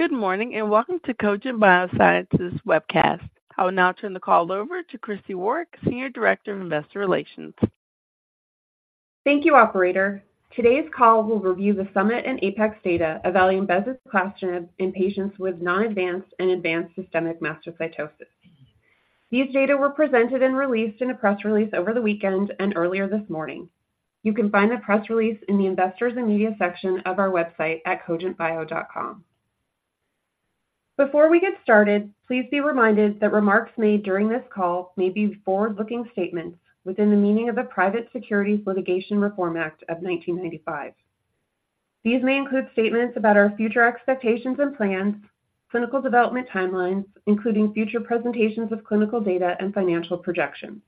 Good morning, and welcome to Cogent Biosciences webcast. I will now turn the call over to Christi Waarich, Senior Director of Investor Relations. Thank you, operator. Today's call will review the SUMMIT and APEX data evaluating bezuclastinib in patients with non-advanced and advanced systemic mastocytosis. These data were presented and released in a press release over the weekend and earlier this morning. You can find the press release in the Investors and Media section of our website at cogentbio.com. Before we get started, please be reminded that remarks made during this call may be forward-looking statements within the meaning of the Private Securities Litigation Reform Act of 1995. These may include statements about our future expectations and plans, clinical development timelines, including future presentations of clinical data and financial projections.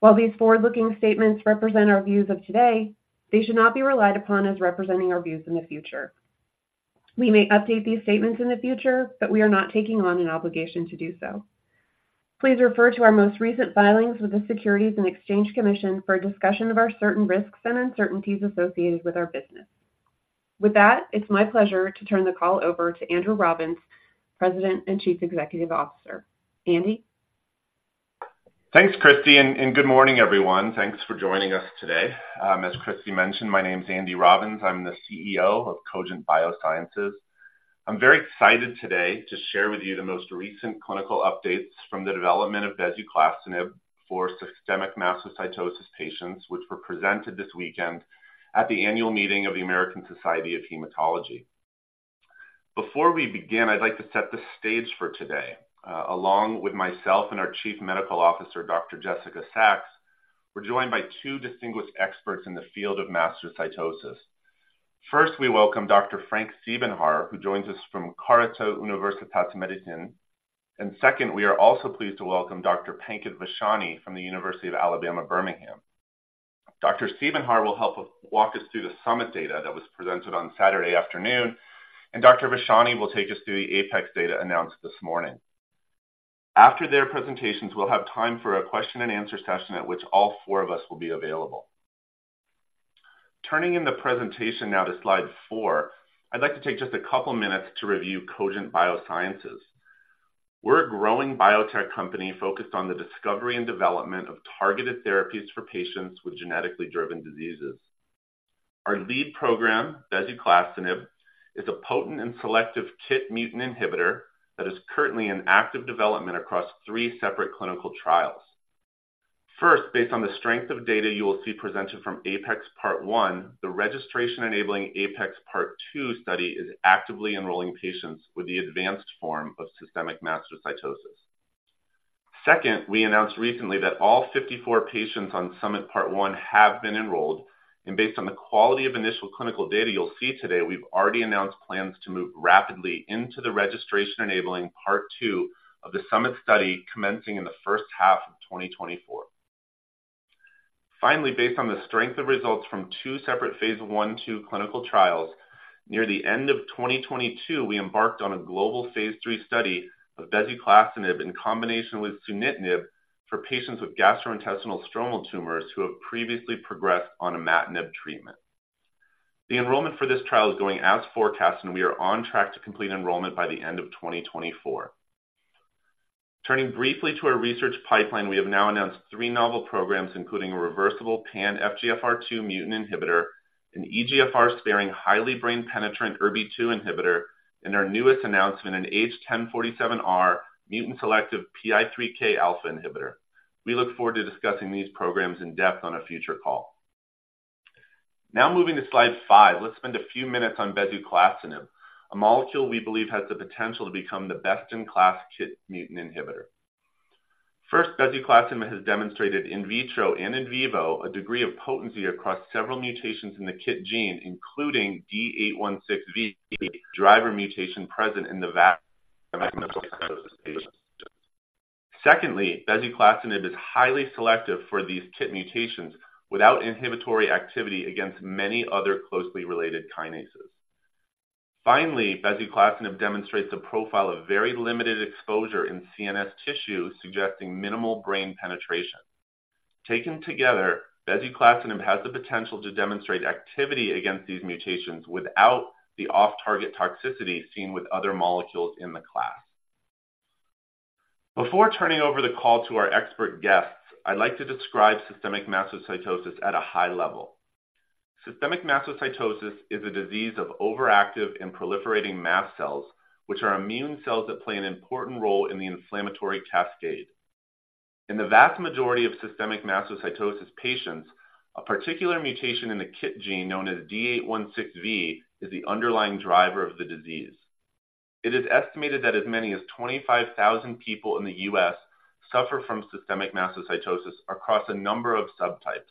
While these forward-looking statements represent our views of today, they should not be relied upon as representing our views in the future. We may update these statements in the future, but we are not taking on an obligation to do so. Please refer to our most recent filings with the Securities and Exchange Commission for a discussion of our certain risks and uncertainties associated with our business. With that, it's my pleasure to turn the call over to Andrew Robbins, President and Chief Executive Officer. Andy? Thanks, Christi, and good morning, everyone. Thanks for joining us today. As Christi mentioned, my name is Andy Robbins. I'm the CEO of Cogent Biosciences. I'm very excited today to share with you the most recent clinical updates from the development of bezuclastinib for systemic mastocytosis patients, which were presented this weekend at the annual meeting of the American Society of Hematology. Before we begin, I'd like to set the stage for today. Along with myself and our Chief Medical Officer, Dr. Jessica Sachs, we're joined by two distinguished experts in the field of mastocytosis. First, we welcome Dr. Frank Siebenhaar, who joins us from Charité – Universitätsmedizin. And second, we are also pleased to welcome Dr. Pankit Vachhani from the University of Alabama at Birmingham Dr. Siebenhaar will help us walk us through the SUMMIT data that was presented on Saturday afternoon, and Dr. Vachhani will take us through the APEX data announced this morning. After their presentations, we'll have time for a question and answer session, at which all four of us will be available. Turning in the presentation now to slide four, I'd like to take just a couple minutes to review Cogent Biosciences. We're a growing biotech company focused on the discovery and development of targeted therapies for patients with genetically driven diseases. Our lead program, bezuclastinib, is a potent and selective KIT mutant inhibitor that is currently in active development across three separate clinical trials. First, based on the strength of data you will see presented from APEX part 1, the registration-enabling APEX part two study is actively enrolling patients with the advanced form of systemic mastocytosis. Second, we announced recently that all 54 patients on SUMMIT part one have been enrolled, and based on the quality of initial clinical data you'll see today, we've already announced plans to move rapidly into the registration-enabling part two of the SUMMIT study, commencing in the first half of 2024. Finally, based on the strength of results from two separate phase I/II clinical trials, near the end of 2022, we embarked on a global phase III study of bezuclastinib in combination with sunitinib for patients with gastrointestinal stromal tumors who have previously progressed on imatinib treatment. The enrollment for this trial is going as forecast, and we are on track to complete enrollment by the end of 2024. Turning briefly to our research pipeline, we have now announced three novel programs, including a reversible pan-FGFR2 mutant inhibitor, an EGFR-sparing, highly brain-penetrant ERBB2 inhibitor, and our newest announcement, an H1047R mutant-selective PI3Kα inhibitor. We look forward to discussing these programs in depth on a future call. Now, moving to slide five, let's spend a few minutes on bezuclastinib, a molecule we believe has the potential to become the best-in-class KIT mutant inhibitor. First, bezuclastinib has demonstrated in vitro and in vivo a degree of potency across several mutations in the KIT gene, including D816V driver mutation present in the vast majority of patients. Secondly, bezuclastinib is highly selective for these KIT mutations without inhibitory activity against many other closely related kinases. Finally, bezuclastinib demonstrates a profile of very limited exposure in CNS tissue, suggesting minimal brain penetration. Taken together, bezuclastinib has the potential to demonstrate activity against these mutations without the off-target toxicity seen with other molecules in the class. Before turning over the call to our expert guests, I'd like to describe systemic mastocytosis at a high level. Systemic mastocytosis is a disease of overactive and proliferating mast cells, which are immune cells that play an important role in the inflammatory cascade. In the vast majority of systemic mastocytosis patients, a particular mutation in the KIT gene, known as D816V, is the underlying driver of the disease. It is estimated that as many as 25,000 people in the U.S. suffer from systemic mastocytosis across a number of subtypes.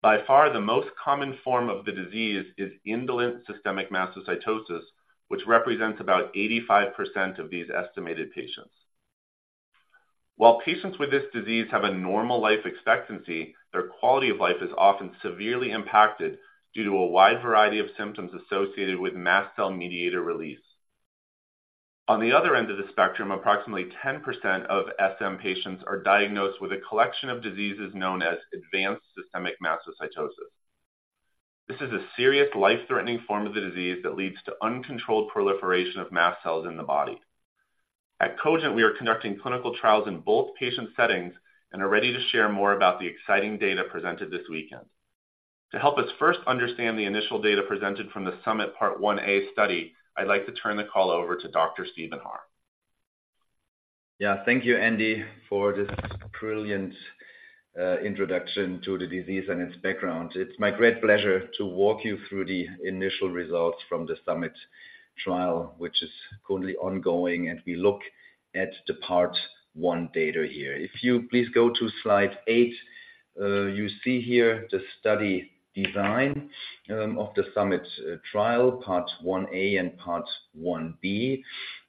By far, the most common form of the disease is indolent systemic mastocytosis, which represents about 85% of these estimated patients. While patients with this disease have a normal life expectancy, their quality of life is often severely impacted due to a wide variety of symptoms associated with mast cell mediator release. On the other end of the spectrum, approximately 10% of SM patients are diagnosed with a collection of diseases known as advanced systemic mastocytosis. This is a serious, life-threatening form of the disease that leads to uncontrolled proliferation of mast cells in the body. At Cogent, we are conducting clinical trials in both patient settings and are ready to share more about the exciting data presented this weekend. To help us first understand the initial data presented from the SUMMIT Part 1a study, I'd like to turn the call over to Dr. Siebenhaar. Yeah. Thank you, Andy, for this brilliant introduction to the disease and its background. It's my great pleasure to walk you through the initial results from the SUMMIT trial, which is currently ongoing, and we look at the Part one data here. If you please go to slide eight, you see here the study design of the SUMMIT trial, Part 1a and Part 1B.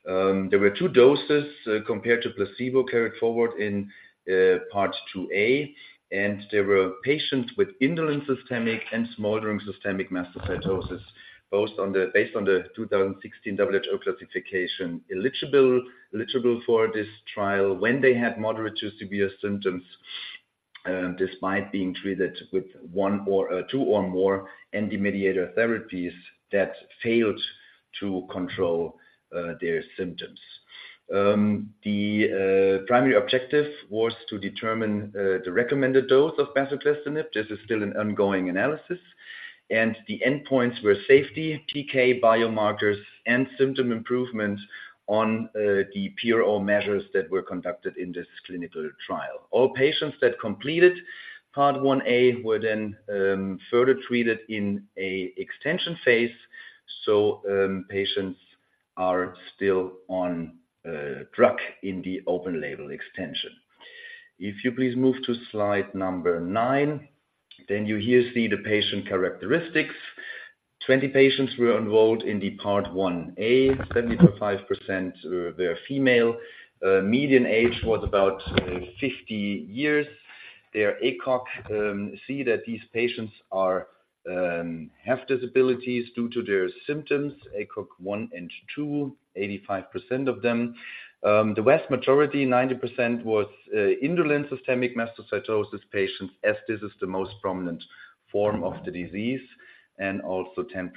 There were two doses compared to placebo, carried forward in Part 2A, and there were patients with indolent systemic and smoldering systemic mastocytosis, both based on the 2016 WHO classification. Eligible for this trial when they had moderate to severe symptoms despite being treated with one or two or more anti-mediator therapies that failed to control their symptoms. The primary objective was to determine the recommended dose of bezuclastinib. This is still an ongoing analysis, and the endpoints were safety, PK biomarkers, and symptom improvement on the PRO measures that were conducted in this clinical trial. All patients that completed Part 1a were then further treated in an extension phase, so patients are still on drug in the open label extension. If you please move to slide nine, then you here see the patient characteristics. 20 patients were enrolled in the Part 1a. 75% were female. Median age was about 50 years. Their ECOG, see that these patients are have disabilities due to their symptoms, ECOG one and two, 85% of them. The vast majority, 90%, was indolent systemic mastocytosis patients, as this is the most prominent form of the disease, and also 10%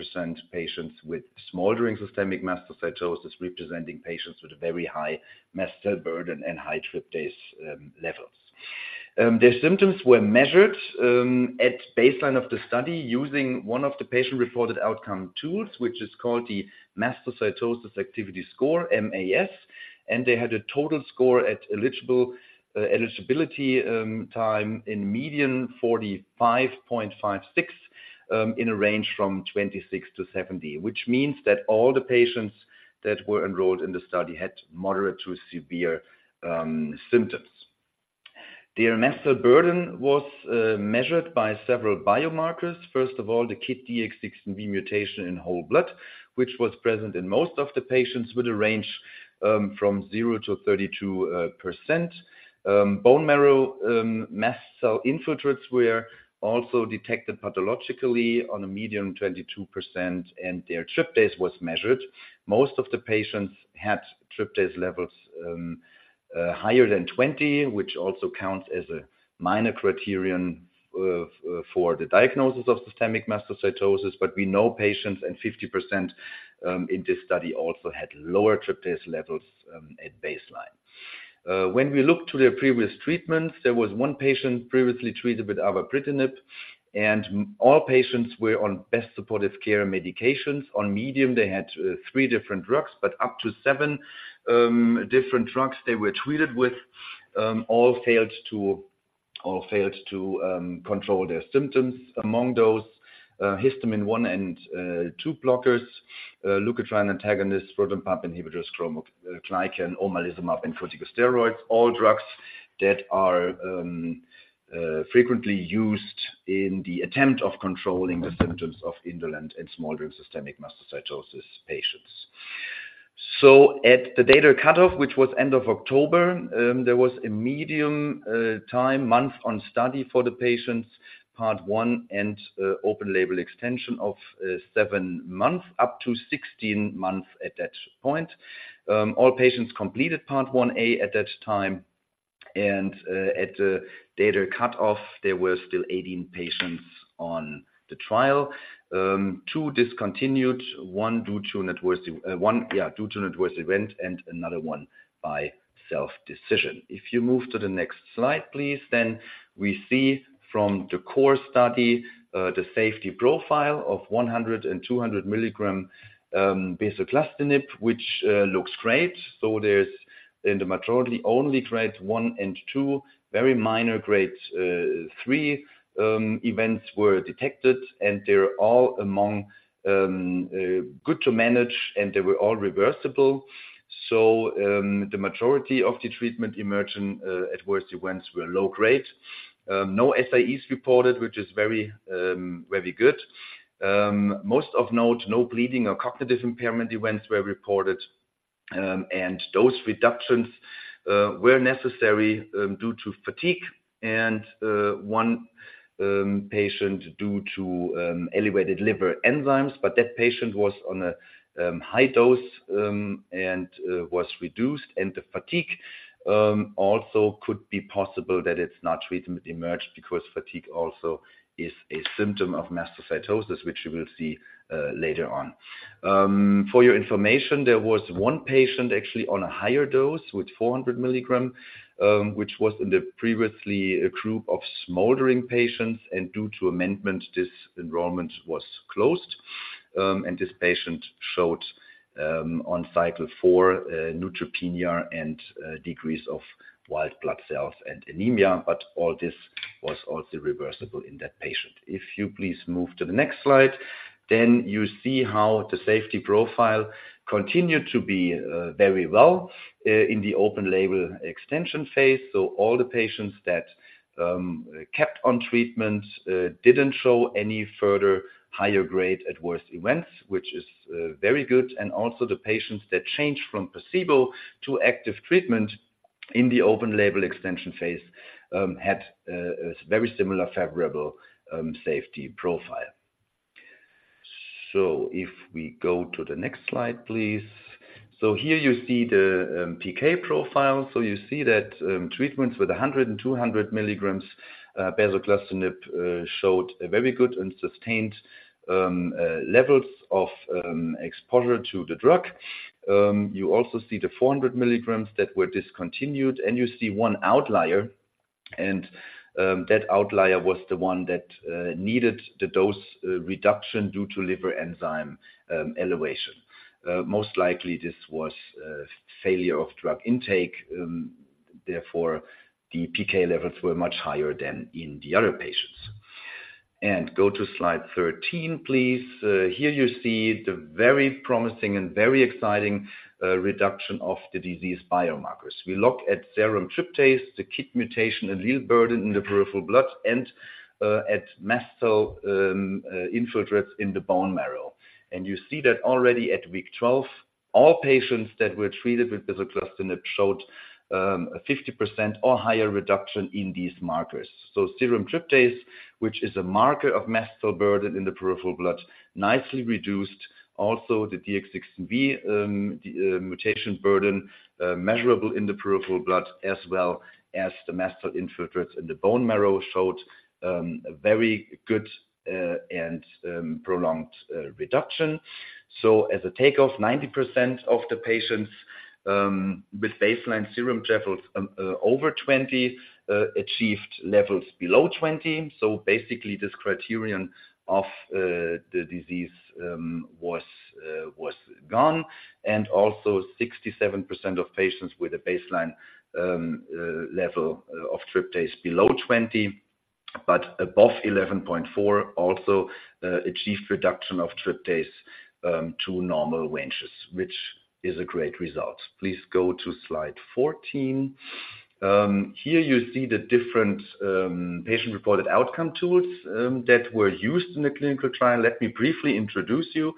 patients with smoldering systemic mastocytosis, representing patients with a very high mast cell burden and high tryptase levels. Their symptoms were measured at baseline of the study, using one of the patient-reported outcome tools, which is called the Mastocytosis Activity Score, MAS, and they had a total score at eligibility time in median 45.56, in a range from 26-70, which means that all the patients that were enrolled in the study had moderate to severe symptoms. Their mast cell burden was measured by several biomarkers. First of all, the KIT D816V mutation in whole blood, which was present in most of the patients with a range from 0-32%. Bone marrow mast cell infiltrates were also detected pathologically on a median 22%, and their tryptase was measured. Most of the patients had tryptase levels higher than 20, which also counts as a minor criterion for the diagnosis of systemic mastocytosis. But we know patients, and 50% in this study also had lower tryptase levels at baseline. When we look to their previous treatments, there was 1 patient previously treated with avapritinib, and all patients were on best supportive care medications. On median, they had three different drugs, but up to seven different drugs they were treated with. All failed to control their symptoms. Among those, histamine 1 and 2 blockers, leukotriene antagonists, proton pump inhibitors, cromolyn, omalizumab, and corticosteroids, all drugs that are frequently used in the attempt of controlling the symptoms of indolent and smoldering systemic mastocytosis patients. So at the data cutoff, which was end of October, there was a median time on study for the patients, Part 1 and open label extension of seven months, up to 16 months at that point. All patients completed Part 1a at that time, and at the data cutoff, there were still 18 patients on the trial. Two discontinued, one due to an adverse event and another one by self-decision. If you move to the next slide, please, then we see from the core study, the safety profile of 100 and 200mg bezuclastinib, which looks great. So there's, in the majority, only grade one and two. Very minor grade three events were detected, and they're all among good to manage, and they were all reversible. So, the majority of the treatment emergent adverse events were low grade. No SIEs reported, which is very good. Most of note, no bleeding or cognitive impairment events were reported, and dose reductions were necessary due to fatigue and one patient due to elevated liver enzymes, but that patient was on a high dose and was reduced. The fatigue also could be possible that it's not treatment emerged because fatigue also is a symptom of mastocytosis, which we will see later on. For your information, there was one patient actually on a higher dose with 400 mg, which was in the previously a group of smoldering patients, and due to amendment, this enrollment was closed. This patient showed on cycle four neutropenia and decrease of white blood cells and anemia, but all this was also reversible in that patient. If you please move to the next slide, then you see how the safety profile continued to be very well in the open label extension phase. All the patients that kept on treatment didn't show any further higher grade adverse events, which is very good. And also the patients that changed from placebo to active treatment in the open label extension phase had a very similar favorable safety profile. So if we go to the next slide, please. So here you see the PK profile. So you see that treatments with 100 and 200mg bezuclastinib showed a very good and sustained levels of exposure to the drug. You also see the 400mg that were discontinued, and you see one outlier, and that outlier was the one that needed the dose reduction due to liver enzyme elevation. Most likely, this was a failure of drug intake, therefore, the PK levels were much higher than in the other patients. And go to slide 13, please. Here you see the very promising and very exciting reduction of the disease biomarkers. We look at serum tryptase, the KIT mutation, allele burden in the peripheral blood, and at mast cell infiltrates in the bone marrow. And you see that already at week 12, all patients that were treated with bezuclastinib showed a 50% or higher reduction in these markers. So serum tryptase, which is a marker of mast cell burden in the peripheral blood, nicely reduced. Also, the D816V, the mutation burden measurable in the peripheral blood, as well as the mast cell infiltrates in the bone marrow, showed a very good and prolonged reduction. So as a takeaway, 90% of the patients with baseline serum levels over 20 achieved levels below 20. So basically, this criterion of the disease was gone, and also 67% of patients with a baseline level of tryptase below 20, but above 11.4, also achieved reduction of tryptase to normal ranges, which is a great result. Please go to slide 14. Here you see the different patient-reported outcome tools that were used in the clinical trial. Let me briefly introduce you.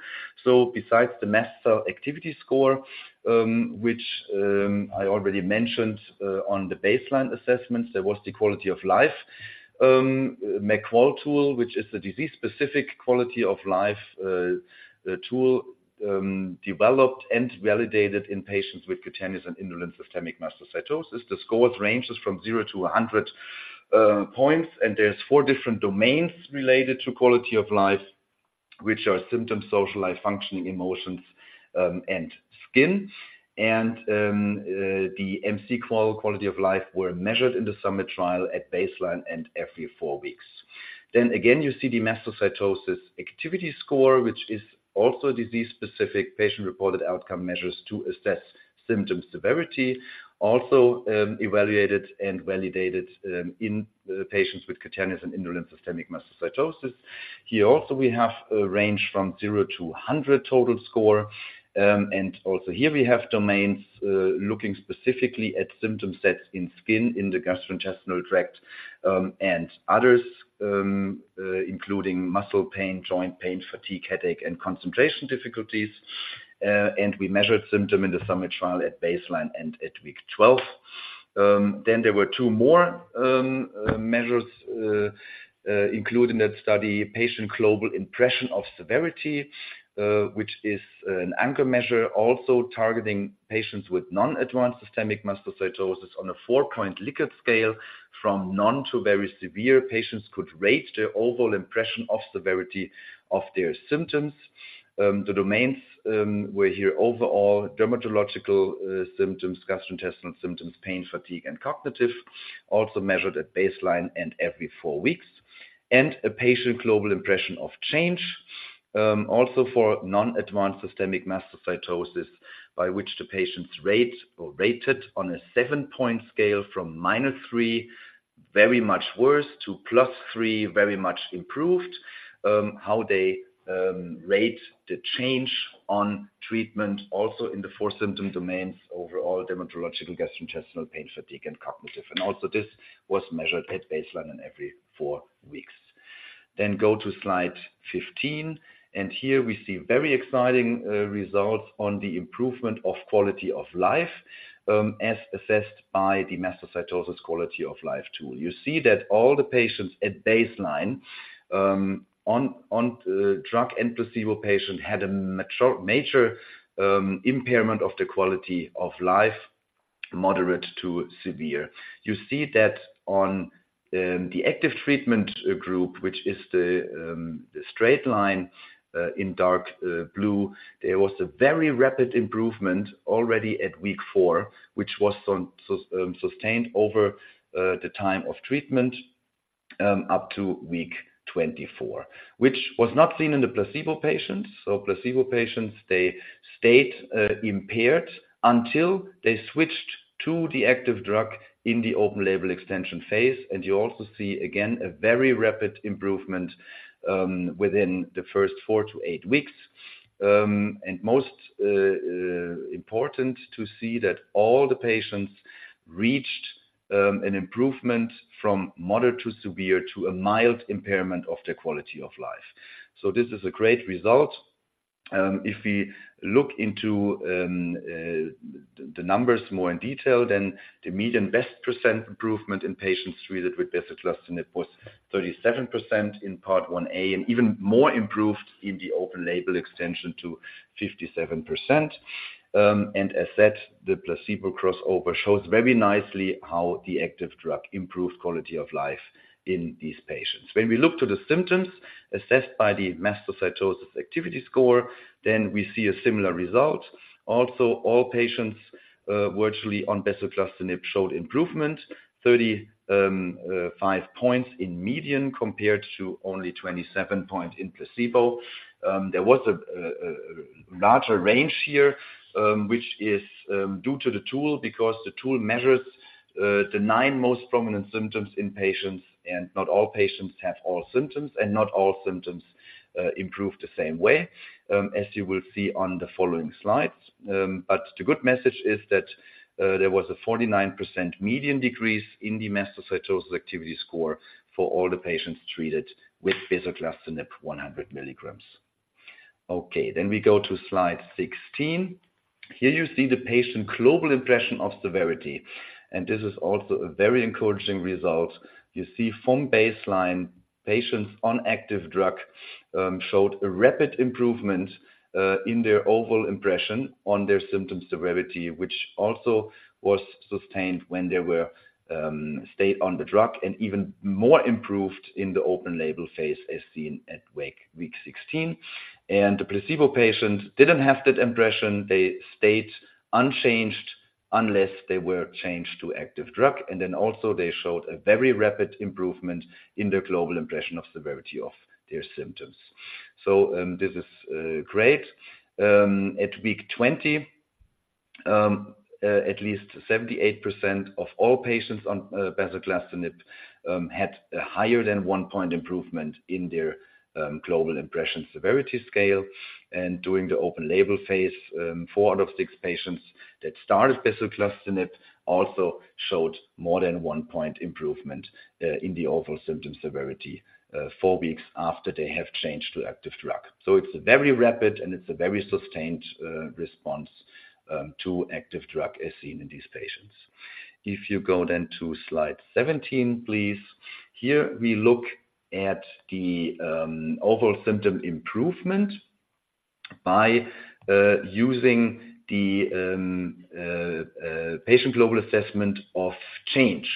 So besides the mast cell activity score, which I already mentioned on the baseline assessments, there was the quality of life MC-QoL tool, which is the disease-specific quality of life tool developed and validated in patients with cutaneous and indolent systemic mastocytosis. The score ranges from zero to 100 points, and there's four different domains related to quality of life, which are symptoms, social life, functioning, emotions, and skin. And the MC-QoL quality of life were measured in the SUMMIT trial at baseline and every four weeks. Then again, you see the mastocytosis activity score, which is also a disease-specific patient-reported outcome measures to assess symptom severity, also evaluated and validated in the patients with cutaneous and indolent systemic mastocytosis. Here also, we have a range from 0 to 100 total score. And also here we have domains looking specifically at symptom sets in skin, in the gastrointestinal tract, and others including muscle pain, joint pain, fatigue, headache, and concentration difficulties. And we measured symptom in the SUMMIT trial at baseline and at week 12. Then there were two more measures included in that study, Patient Global Impression of Severity, which is an anchor measure, also targeting patients with non-advanced systemic mastocytosis on a four-point Likert scale from none to very severe. Patients could rate their overall impression of severity of their symptoms. The domains were overall, dermatological symptoms, gastrointestinal symptoms, pain, fatigue, and cognitive, also measured at baseline and every four weeks. And a Patient Global Impression of Change, also for non-advanced systemic mastocytosis, by which the patients rate or rated on a seven-point scale from -3, very much worse, to +3, very much improved, how they rate the change on treatment, also in the four symptom domains: overall, dermatological, gastrointestinal, pain, fatigue, and cognitive. And also this was measured at baseline and every four weeks. Then go to slide 15, and here we see very exciting results on the improvement of quality of life, as assessed by the mastocytosis quality of life tool. You see that all the patients at baseline, on drug and placebo patient had a major impairment of the quality of life, moderate to severe. You see that on the active treatment group, which is the straight line in dark blue. There was a very rapid improvement already at week 4, which was on sustained over the time of treatment up to week 24. Which was not seen in the placebo patients. So placebo patients, they stayed impaired until they switched to the active drug in the open label extension phase. You also see, again, a very rapid improvement within the first four to eight weeks. Most important to see that all the patients reached an improvement from moderate to severe to a mild impairment of their quality of life. This is a great result. If we look into the numbers more in detail, then the median best percent improvement in patients treated with bezuclastinib was 37% in Part 1a, and even more improved in the open label extension to 57%. As said, the placebo crossover shows very nicely how the active drug improved quality of life in these patients. When we look to the symptoms assessed by the mastocytosis activity score, then we see a similar result. Also, all patients virtually on bezuclastinib showed improvement, 35 points in median, compared to only 27 point in placebo. There was a larger range here, which is due to the tool, because the tool measures the nine most prominent symptoms in patients, and not all patients have all symptoms, and not all symptoms improve the same way, as you will see on the following slides. But the good message is that there was a 49% median decrease in the Mastocytosis Activity Score for all the patients treated with bezuclastinib 100mg. Okay, then we go to slide 16. Here you see the patient global impression of severity, and this is also a very encouraging result. You see from baseline, patients on active drug showed a rapid improvement in their overall impression on their symptom severity, which also was sustained when they stayed on the drug, and even more improved in the open label phase, as seen at week 16. The placebo patient didn't have that impression. They stayed unchanged unless they were changed to active drug, and then also they showed a very rapid improvement in their global impression of severity of their symptoms. This is great. At week 20, at least 78% of all patients on bezuclastinib had a higher than 1-point improvement in their global impression severity scale. During the open-label phase, four out of six patients that started bezuclastinib also showed more than one point improvement in the overall symptom severity, four weeks after they have changed to active drug. So it's a very rapid, and it's a very sustained, response to active drug as seen in these patients. If you go then to slide 17, please. Here we look at the overall symptom improvement by using the patient global assessment of change,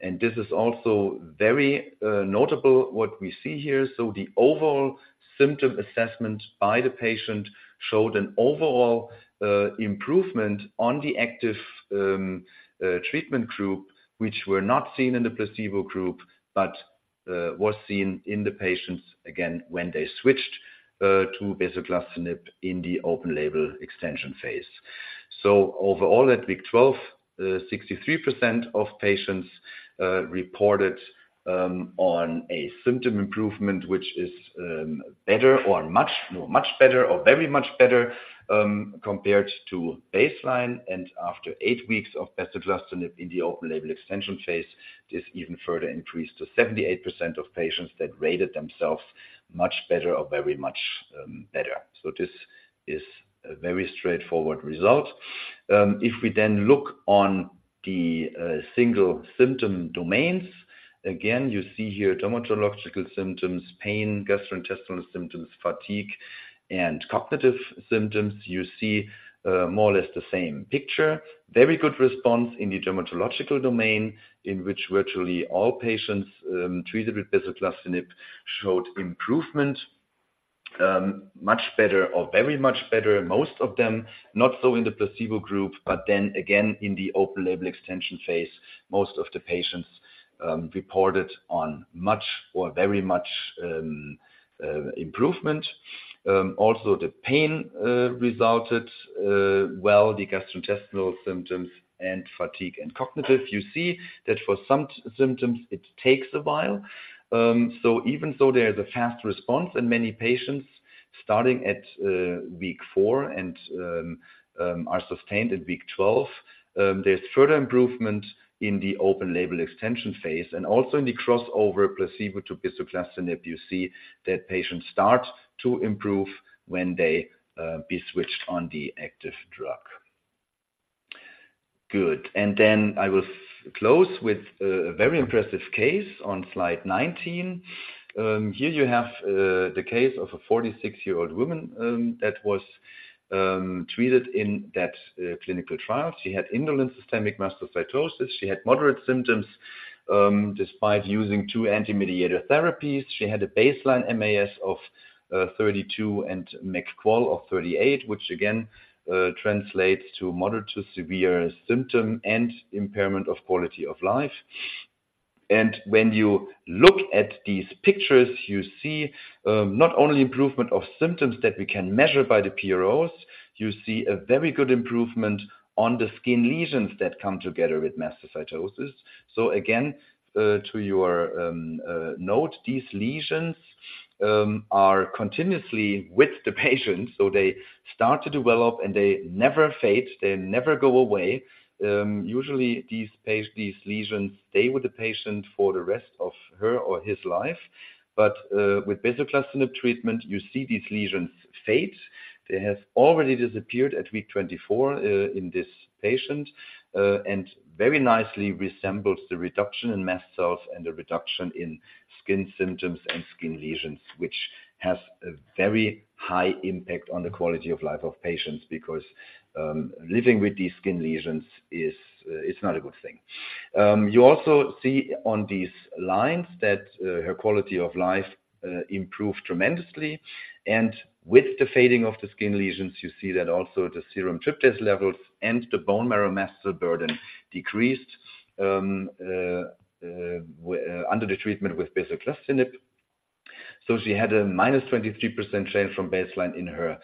and this is also very notable what we see here. So the overall symptom assessment by the patient showed an overall improvement on the active treatment group, which were not seen in the placebo group, but was seen in the patients again when they switched to bezuclastinib in the open-label extension phase. So overall, at week 12, 63% of patients reported on a symptom improvement, which is better or much, much better or very much better compared to baseline. And after 8 weeks of bezuclastinib in the open-label extension phase, this even further increased to 78% of patients that rated themselves much better or very much better. So this is a very straightforward result. If we then look on the single symptom domains, again, you see here dermatological symptoms, pain, gastrointestinal symptoms, fatigue, and cognitive symptoms. You see more or less the same picture. Very good response in the dermatological domain, in which virtually all patients treated with bezuclastinib showed improvement much better or very much better. Most of them, not so in the placebo group, but then again, in the open label extension phase, most of the patients reported on much or very much improvement. Also the pain resulted, well, the gastrointestinal symptoms and fatigue and cognitive. You see that for some symptoms, it takes a while. So even though there is a fast response in many patients starting at week 4 and are sustained at week 12, there's further improvement in the open label extension phase and also in the crossover placebo to bezuclastinib, you see that patients start to improve when they be switched on the active drug. Good. And then I will close with a very impressive case on slide 19. Here you have the case of a 46-year-old woman that was treated in that clinical trial. She had indolent systemic mastocytosis. She had moderate symptoms despite using two anti-mediator therapies. She had a baseline MAS of 32 and MC-QoL of 38, which again translates to moderate to severe symptom and impairment of quality of life. And when you look at these pictures, you see not only improvement of symptoms that we can measure by the PROs, you see a very good improvement on the skin lesions that come together with mastocytosis. So again, to your note, these lesions are continuously with the patient, so they start to develop and they never fade, they never go away. Usually these lesions stay with the patient for the rest of her or his life. But with bezuclastinib treatment, you see these lesions fade. They have already disappeared at week 24 in this patient, and very nicely resembles the reduction in mast cells and the reduction in skin symptoms and skin lesions, which has a very high impact on the quality of life of patients, because living with these skin lesions is, it's not a good thing. You also see on these lines that her quality of life improved tremendously. And with the fading of the skin lesions, you see that also the serum tryptase levels and the bone marrow mast cell burden decreased under the treatment with bezuclastinib. So she had a -23% change from baseline in her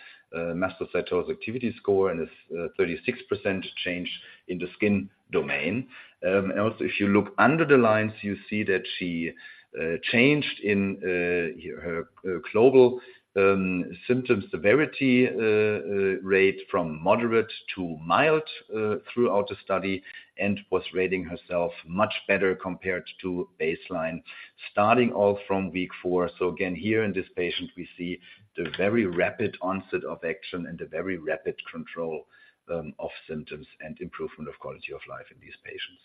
mastocytosis activity score and a 36% change in the skin domain. And also, if you look under the lines, you see that she changed in her global symptom severity rate from moderate to mild throughout the study, and was rating herself much better compared to baseline, starting all from week four. So again, here in this patient, we see the very rapid onset of action and the very rapid control of symptoms and improvement of quality of life in these patients.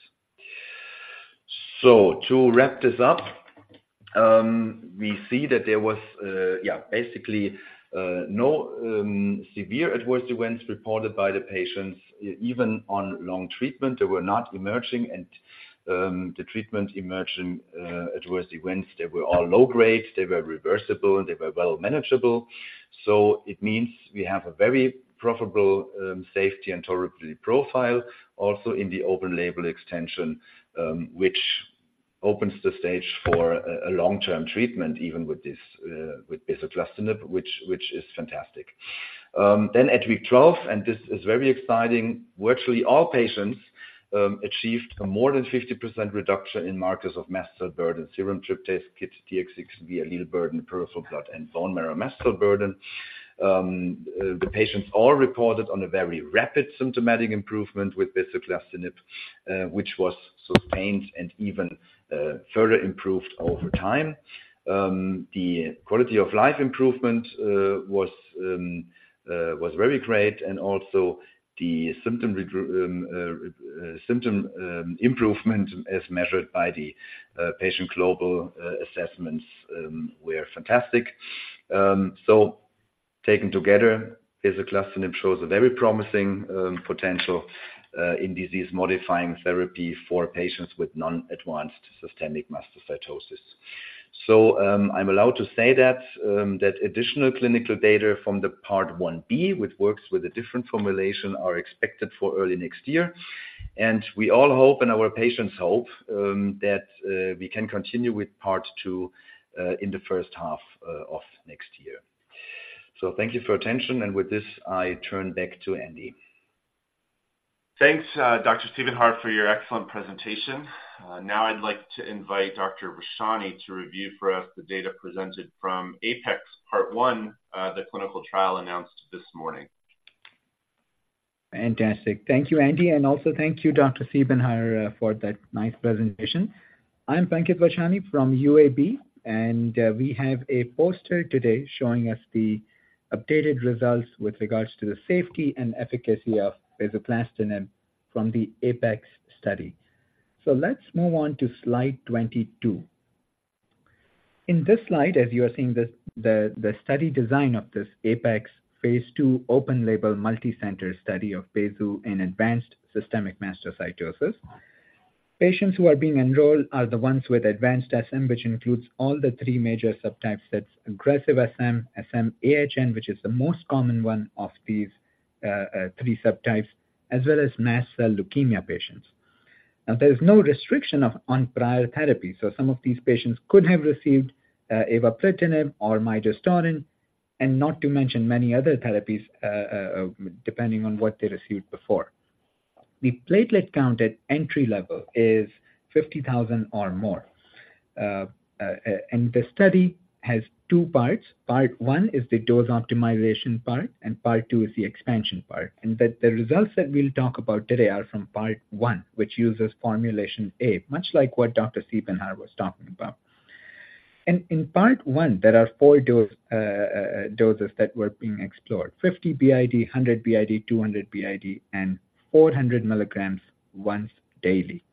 So to wrap this up, we see that there was yeah, basically no severe adverse events reported by the patients. Even on long treatment, they were not emerging, and the treatment-emerging adverse events, they were all low grade, they were reversible, and they were well manageable. So it means we have a very favorable safety and tolerability profile also in the open-label extension, which sets the stage for a long-term treatment, even with this with bezuclastinib, which is fantastic. Then at week 12, and this is very exciting, virtually all patients achieved a more than 50% reduction in markers of mast cell burden, serum tryptase, KIT D816V allele burden, peripheral blood, and bone marrow mast cell burden. The patients all reported on a very rapid symptomatic improvement with bezuclastinib, which was sustained and even further improved over time. The quality of life improvement was very great, and also the symptom improvement as measured by the patient global assessments were fantastic. So, taken together, bezuclastinib shows a very promising potential in disease-modifying therapy for patients with non-advanced systemic mastocytosis. So, I'm allowed to say that that additional clinical data from the Part 1B, which works with a different formulation, are expected for early next year. And we all hope, and our patients hope, that we can continue with part two in the first half of next year. So thank you for your attention, and with this, I turn back to Andy. Thanks, Dr. Siebenhaar, for your excellent presentation. Now I'd like to invite Dr. Vachhani to review for us the data presented from APEX Part One, the clinical trial announced this morning. Fantastic. Thank you, Andy, and also thank you, Dr. Siebenhaar, for that nice presentation. I'm Pankit Vachani from UAB, and we have a poster today showing us the updated results with regards to the safety and efficacy of bezuclastinib from the APEX study. So let's move on to slide 22. In this slide, as you are seeing the study design of this APEX phase II open label, multi-center study of bezuclastinib in advanced systemic mastocytosis. Patients who are being enrolled are the ones with advanced SM, which includes all three major subtypes: that's aggressive SM, SM-AHN, which is the most common one of these three subtypes, as well as mast cell leukemia patients. Now, there is no restriction on prior therapy, so some of these patients could have received avapritinib or midostaurin, and not to mention many other therapies, depending on what they received before. The platelet count at entry level is 50,000 or more. And the study has two parts. Part one is the dose optimization part, and part two is the expansion part. And the results that we'll talk about today are from part one, which uses formulation A, much like what Dr. Siebenhaar was talking about. And in part one, there are four dose doses that were being explored: 50 BID, 100 BID, 200 BID, and 400mg once daily.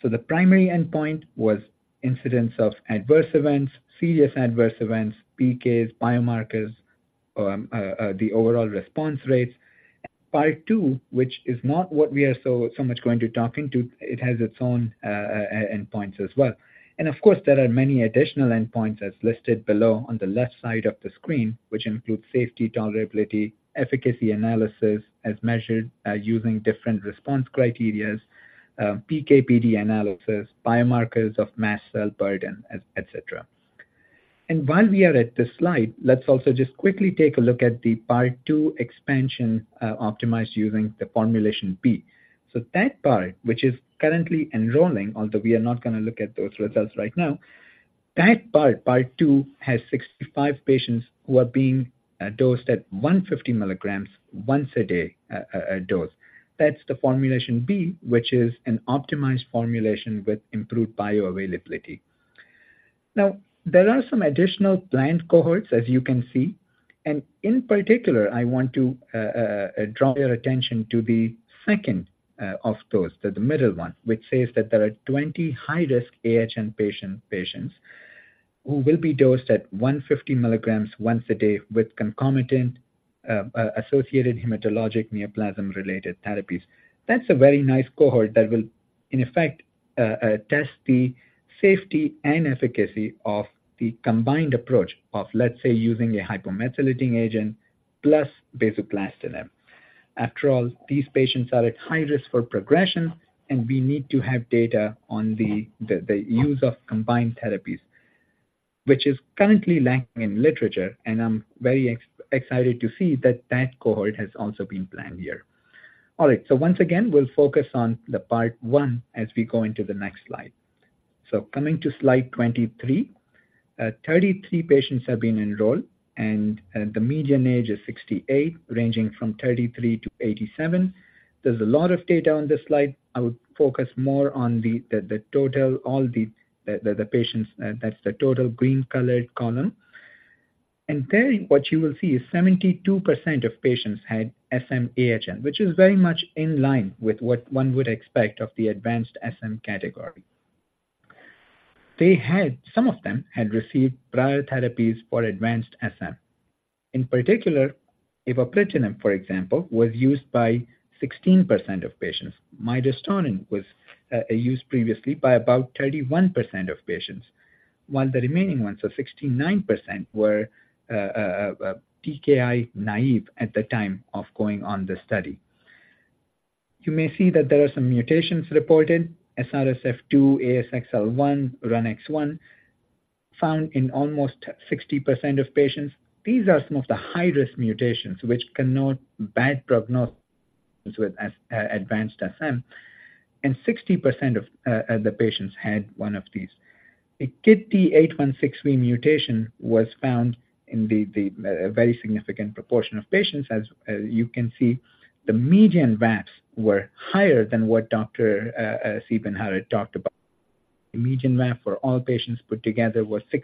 So the primary endpoint was incidence of adverse events, serious adverse events, PKs, biomarkers, the overall response rates. Part two, which is not what we are so, so much going to talk into, it has its own endpoints as well. Of course, there are many additional endpoints as listed below on the left side of the screen, which include safety, tolerability, efficacy analysis as measured using different response criteria, PK/PD analysis, biomarkers of mast cell burden, et cetera. While we are at this slide, let's also just quickly take a look at the part two expansion optimized using the formulation B. So that part, which is currently enrolling, although we are not gonna look at those results right now, that part, part two, has 65 patients who are being dosed at 150mg once a day dose. That's the formulation B, which is an optimized formulation with improved bioavailability. Now, there are some additional planned cohorts, as you can see, and in particular, I want to draw your attention to the second of those, the middle one, which says that there are 20 high-risk AHN patients who will be dosed at 150mg once a day with concomitant associated hematologic neoplasm-related therapies. That's a very nice cohort that will, in effect, test the safety and efficacy of the combined approach of, let's say, using a hypomethylating agent plus bezuclastinib. After all, these patients are at high risk for progression, and we need to have data on the use of combined therapies, which is currently lacking in literature, and I'm very excited to see that that cohort has also been planned here. All right. So once again, we'll focus on the part one as we go into the next slide. So coming to slide 23, 33 patients have been enrolled, and the median age is 68, ranging from 33 to 87. There's a lot of data on this slide. I would focus more on the total, all the patients, that's the total green colored column. And there, what you will see is 72% of patients had SM-AHN, which is very much in line with what one would expect of the advanced SM category. They had. Some of them had received prior therapies for advanced SM. In particular, avapritinib, for example, was used by 16% of patients. Midostaurin was used previously by about 31% of patients, while the remaining ones, so 69%, were TKI naive at the time of going on the study. You may see that there are some mutations reported, SRSF2, ASXL1, RUNX1, found in almost 60% of patients. These are some of the high-risk mutations, which connote bad prognosis with advanced SM, and 60% of the patients had one of these. A KIT D816V mutation was found in the very significant proportion of patients. As you can see, the median VAFs were higher than what Dr. Siebenhaar talked about. The median VAF for all patients put together was 6%.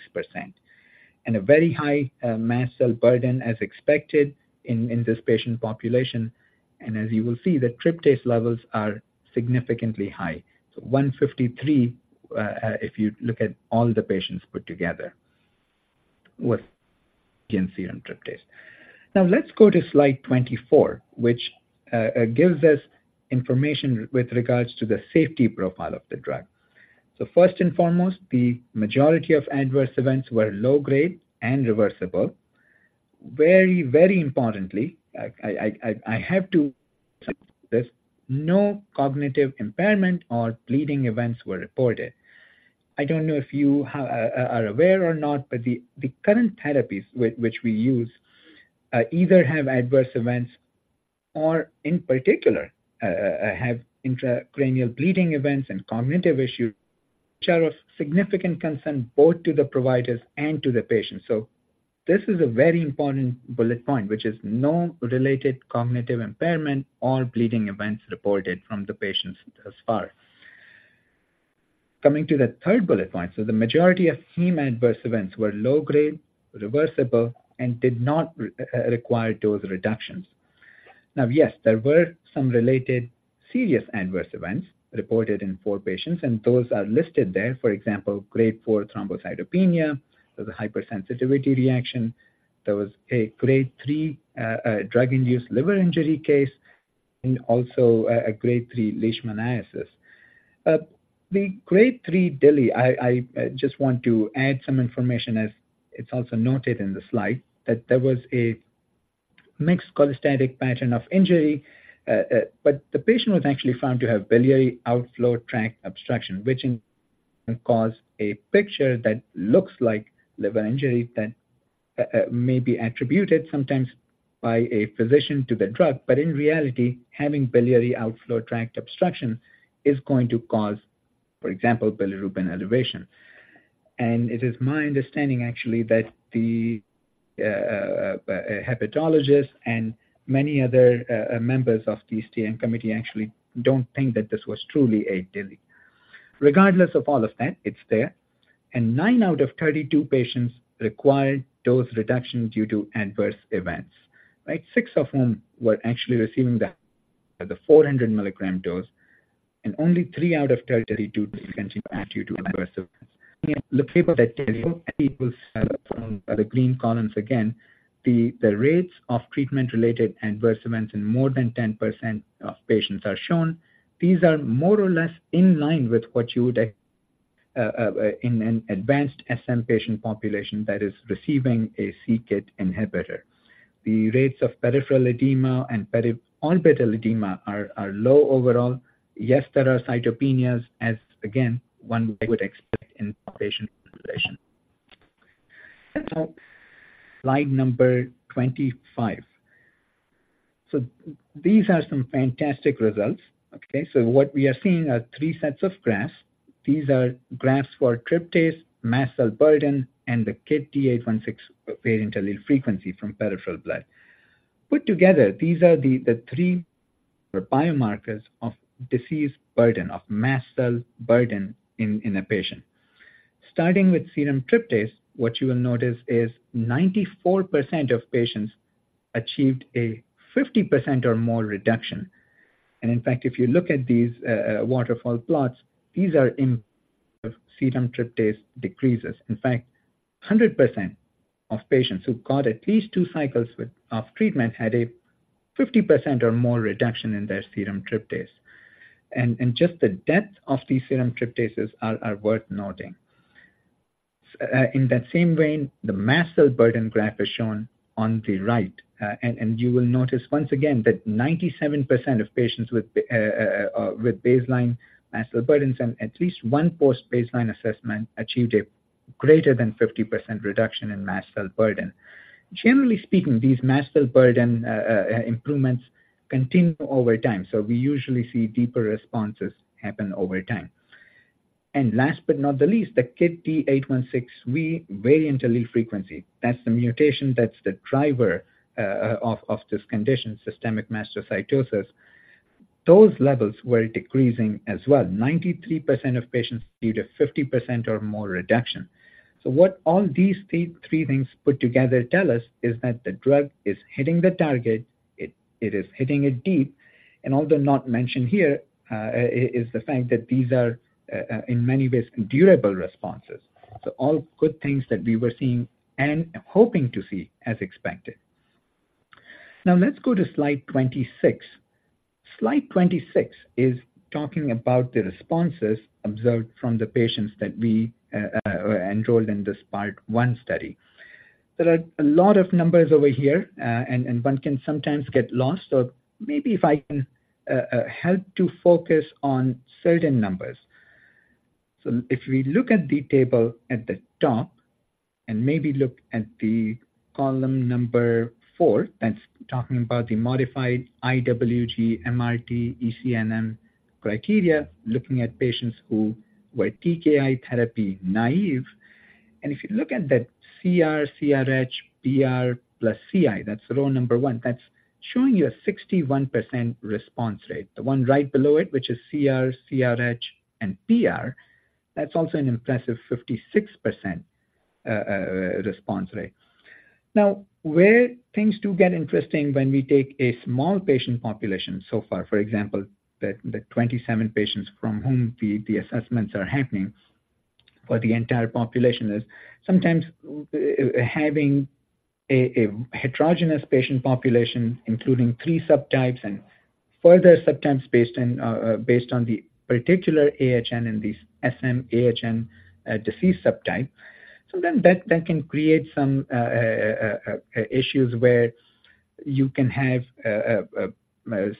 And a very high mast cell burden as expected in this patient population, and as you will see, the tryptase levels are significantly high. So 153, if you look at all the patients put together with, you can see in tryptase. Now let's go to slide 24, which gives us information with regards to the safety profile of the drug. So first and foremost, the majority of adverse events were low-grade and reversible. Very, very importantly, I have to there's no cognitive impairment or bleeding events were reported. I don't know if you are aware or not, but the current therapies which we use either have adverse events or in particular have intracranial bleeding events and cognitive issues, which are of significant concern both to the providers and to the patients. So this is a very important bullet point, which is no related cognitive impairment or bleeding events reported from the patients thus far. Coming to the third bullet point, so the majority of heme adverse events were low-grade, reversible, and did not require dose reductions. Now, yes, there were some related serious adverse events reported in four patients, and those are listed there. For example, grade four thrombocytopenia. There was a hypersensitivity reaction. There was a grade three drug-induced liver injury case, and also a grade three leishmaniasis. The grade 3 DILI, I just want to add some information as it's also noted in the slide, that there was a mixed cholestatic pattern of injury, but the patient was actually found to have biliary outflow tract obstruction, which caused a picture that looks like liver injury, that may be attributed sometimes by a physician to the drug. But in reality, having biliary outflow tract obstruction is going to cause, for example, bilirubin elevation. And it is my understanding, actually, that the hepatologist and many other members of the STM committee actually don't think that this was truly a DILI. Regardless of all of that, it's there, and nine out of 32 patients required dose reduction due to adverse events, right? Six of whom were actually receiving the 400mg dose, and only three out of 32 discontinued due to adverse events. The paper that people saw, the green columns again, the rates of treatment-related adverse events in more than 10% of patients are shown. These are more or less in line with what you would in an advanced SM patient population that is receiving a c-KIT inhibitor. The rates of peripheral edema and periorbital edema are low overall. Yes, there are cytopenias, as again, one would expect in patient population. Slide number 25. So these are some fantastic results. Okay, so what we are seeing are three sets of graphs. These are graphs for tryptase, mast cell burden, and the KIT D816V variant allele frequency from peripheral blood. Put together, these are the three biomarkers of disease burden, of mast cell burden in a patient. Starting with serum tryptase, what you will notice is 94% of patients achieved a 50% or more reduction. And in fact, if you look at these, waterfall plots, these are in serum tryptase decreases. In fact, 100% of patients who got at least two cycles with of treatment had a 50% or more reduction in their serum tryptase. Just the depth of these serum tryptases are worth noting. In that same vein, the mast cell burden graph is shown on the right, and you will notice once again that 97% of patients with baseline mast cell burdens and at least one post-baseline assessment achieved a greater than 50% reduction in mast cell burden. Generally speaking, these mast cell burden improvements continue over time, so we usually see deeper responses happen over time. And last but not the least, the KIT D816V variant allele frequency. That's the mutation, that's the driver of this condition, systemic mastocytosis. Those levels were decreasing as well. 93% of patients achieved a 50% or more reduction. So what all these three things put together tell us is that the drug is hitting the target, it is hitting it deep, and although not mentioned here, is the fact that these are, in many ways, durable responses. All good things that we were seeing and hoping to see as expected. Now, let's go to slide 26. Slide 26 is talking about the responses observed from the patients that we enrolled in this part one study. There are a lot of numbers over here, and one can sometimes get lost, or maybe if I can help to focus on certain numbers. If we look at the table at the top and maybe look at the column number four, that's talking about the modified IWG-MRT-ECNM criteria, looking at patients who were TKI therapy naive. If you look at that CR, CRh, PR, plus CI, that's row number 1, that's showing you a 61% response rate. The one right below it, which is CR, CRh, and PR, that's also an impressive 56% response rate. Now, where things do get interesting when we take a small patient population so far, for example, the 27 patients from whom the assessments are happening for the entire population is sometimes having a heterogeneous patient population, including three subtypes and further subtypes based on the particular AHN and these SM-AHN disease subtype. So then that can create some issues where you can have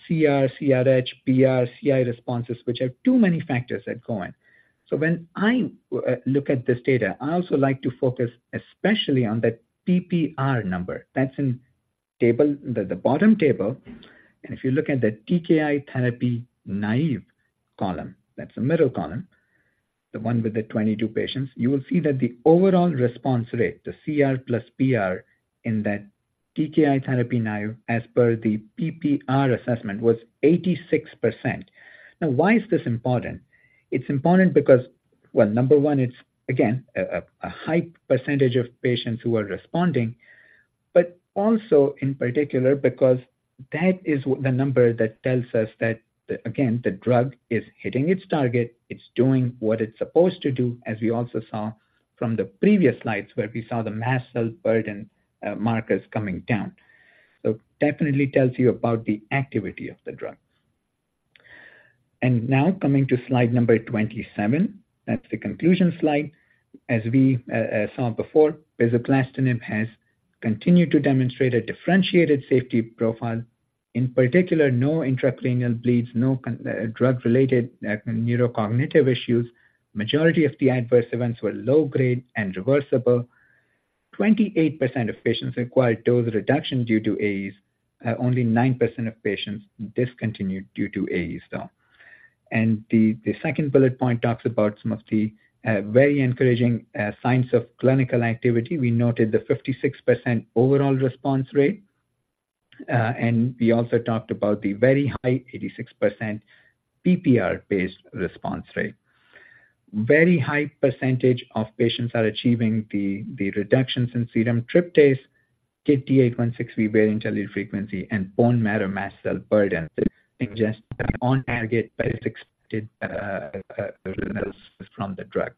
CR, CRh, PR, CI responses, which have too many factors at going. So when I look at this data, I also like to focus especially on the PPR number. That's in table. The bottom table, and if you look at the TKI therapy naive column, that's the middle column, the one with the 22 patients, you will see that the overall response rate, the CR plus PR in that TKI therapy naive as per the PPR assessment, was 86%. Now, why is this important? It's important because, well, number one, it's again, a high percentage of patients who are responding, but also in particular because that is what the number that tells us that, again, the drug is hitting its target, it's doing what it's supposed to do, as we also saw from the previous slides, where we saw the mast cell burden markers coming down. So definitely tells you about the activity of the drug. Now coming to slide number 27, that's the conclusion slide. As we saw before, bezuclastinib has continued to demonstrate a differentiated safety profile. In particular, no intracranial bleeds, no drug-related neurocognitive issues. Majority of the adverse events were low-grade and reversible. 28% of patients required dose reduction due to AEs. Only 9% of patients discontinued due to AEs, though. The second bullet point talks about some of the very encouraging signs of clinical activity. We noted the 56% overall response rate, and we also talked about the very high 86% PPR-based response rate. Very high percentage of patients are achieving the reductions in serum tryptase, KIT D816V variant allele frequency, and bone marrow mast cell burden. This suggests that on target as expected from the drug.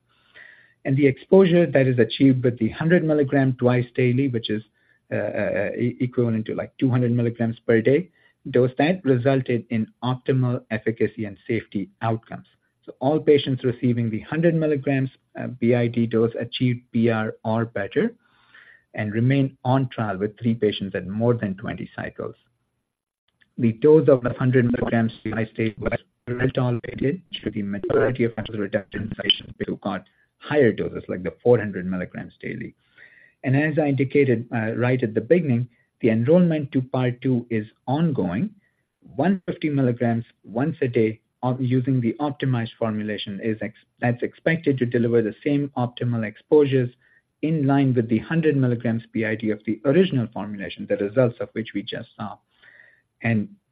The exposure that is achieved with the 100 mg twice daily, which is equivalent to like 200 mg per day dose, that resulted in optimal efficacy and safety outcomes. All patients receiving the 100 mg BID dose achieved PR or better and remain on trial with three patients at more than 20 cycles. The dose of the 100 mg BID was well-tolerated, with the majority of patients reducing patients who got higher doses, like the 400 mg daily. As I indicated right at the beginning, the enrollment to Part two is ongoing. 150 mg once a day using the optimized formulation that's expected to deliver the same optimal exposures in line with the 100 mg BID of the original formulation, the results of which we just saw.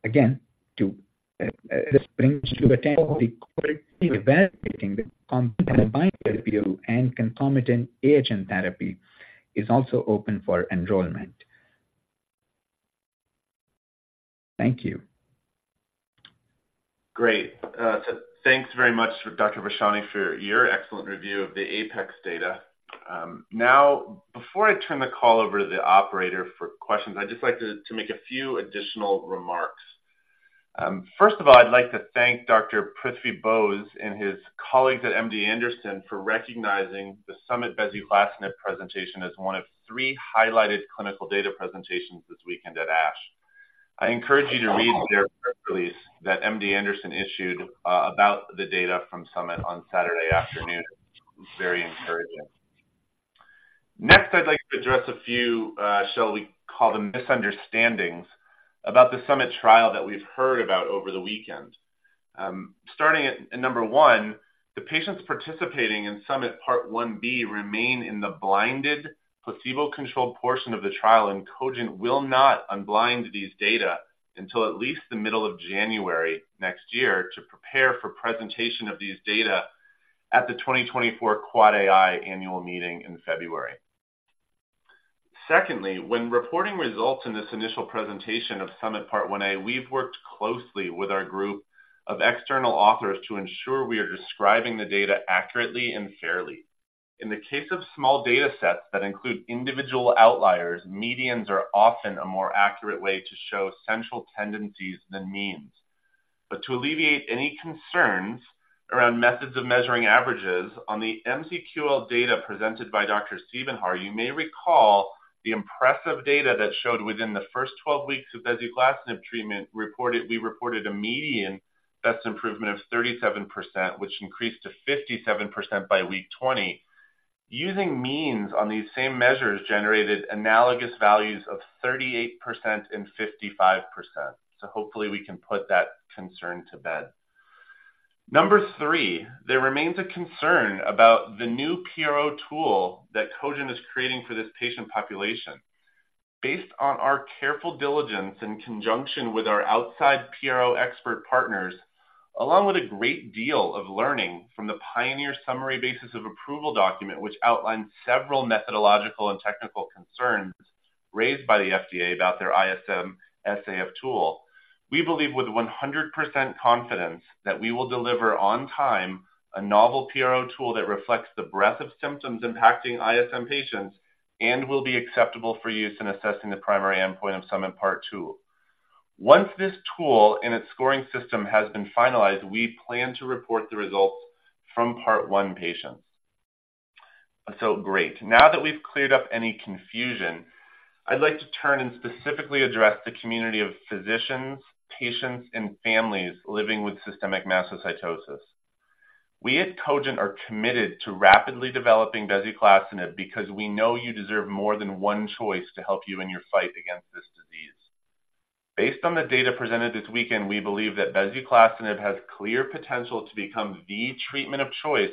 Again, this brings to an end the evaluation of the combined therapy, and concomitant agent therapy is also open for enrollment. Thank you. Great. So thanks very much, Dr. Vishwani, for your excellent review of the APEX data. Now, before I turn the call over to the operator for questions, I'd just like to make a few additional remarks. First of all, I'd like to thank Dr. Prithviraj Bose and his colleagues at MD Anderson for recognizing the SUMMIT bezuclastinib presentation as one of three highlighted clinical data presentations this weekend at ASH. I encourage you to read their press release that MD Anderson issued about the data from SUMMIT on Saturday afternoon. It's very encouraging. Next, I'd like to address a few, shall we call them misunderstandings, about the SUMMIT trial that we've heard about over the weekend. Starting at number one, the patients participating in SUMMIT Part 1B remain in the blinded, placebo-controlled portion of the trial, and Cogent will not unblind these data until at least the middle of January next year to prepare for presentation of these data at the 2024 Quad AI annual meeting in February. Secondly, when reporting results in this initial presentation of SUMMIT Part 1a, we've worked closely with our group of external authors to ensure we are describing the data accurately and fairly. In the case of small datasets that include individual outliers, medians are often a more accurate way to show central tendencies than means. But to alleviate any concerns around methods of measuring averages, on the MC-QoL data presented by Dr. Sievenpiper, you may recall the impressive data that showed within the first 12 weeks of bezuclastinib treatment reported we reported a median best improvement of 37%, which increased to 57% by week 20. Using means on these same measures generated analogous values of 38% and 55%. So hopefully, we can put that concern to bed. Number three, there remains a concern about the new PRO tool that Cogent is creating for this patient population. Based on our careful diligence in conjunction with our outside PRO expert partners, along with a great deal of learning from the prior summary basis of approval document, which outlines several methodological and technical concerns raised by the FDA about their ISM SAF tool, we believe with 100% confidence that we will deliver on time a novel PRO tool that reflects the breadth of symptoms impacting ISM patients and will be acceptable for use in assessing the primary endpoint of SUMMIT Part 2. Once this tool and its scoring system has been finalized, we plan to report the results from Part 1 patients. So great. Now that we've cleared up any confusion, I'd like to turn and specifically address the community of physicians, patients, and families living with systemic mastocytosis. We at Cogent are committed to rapidly developing bezuclastinib because we know you deserve more than one choice to help you in your fight against this disease. Based on the data presented this weekend, we believe that bezuclastinib has clear potential to become the treatment of choice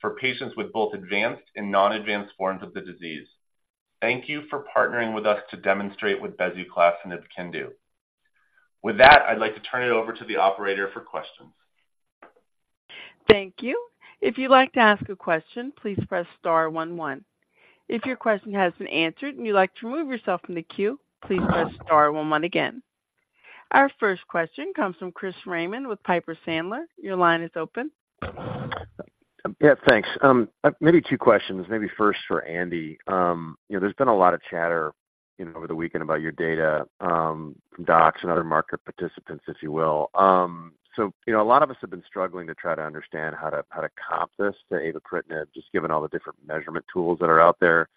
for patients with both advanced and non-advanced forms of the disease. Thank you for partnering with us to demonstrate what bezuclastinib can do. With that, I'd like to turn it over to the operator for questions. Thank you. If you'd like to ask a question, please press star one one. If your question has been answered and you'd like to remove yourself from the queue, please press star one one again. Our first question comes from Chris Raymond with Piper Sandler. Your line is open. Yeah, thanks. Maybe two questions, maybe first for Andy. You know, there's been a lot of chatter, you know, over the weekend about your data, from docs and other market participants, if you will. So, you know, a lot of us have been struggling to try to understand how to, how to comp this to avapritinib, just given all the different measurement tools that are out there.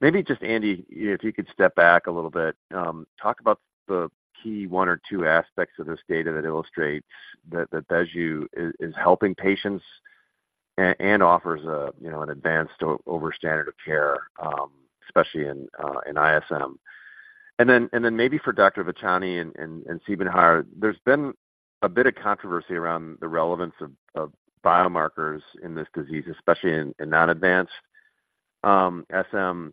Maybe just, Andy, if you could step back a little bit, talk about the key one or two aspects of this data that illustrates that, that bezuclastinib is, is helping patients? And offers a, you know, an advanced over standard of care, especially in ISM. Then maybe for Dr. Vachani and Siebenhaar, there's been a bit of controversy around the relevance of biomarkers in this disease, especially in non-advanced SM,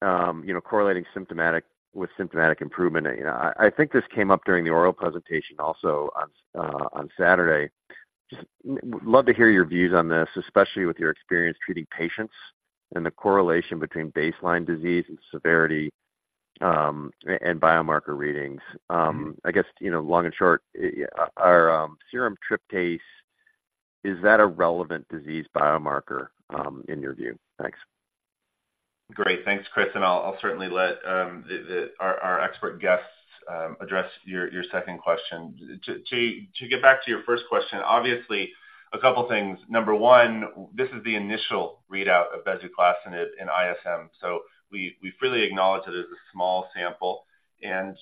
you know, correlating symptomatic with symptomatic improvement. I think this came up during the oral presentation also on Saturday. Just would love to hear your views on this, especially with your experience treating patients and the correlation between baseline disease and severity and biomarker readings. I guess, you know, long and short, are serum tryptase, is that a relevant disease biomarker in your view? Thanks. Great. Thanks, Chris, and I'll certainly let our expert guests address your second question. To get back to your first question, obviously, a couple of things. Number one, this is the initial readout of bezuclastinib in ISM, so we freely acknowledge that it's a small sample. And,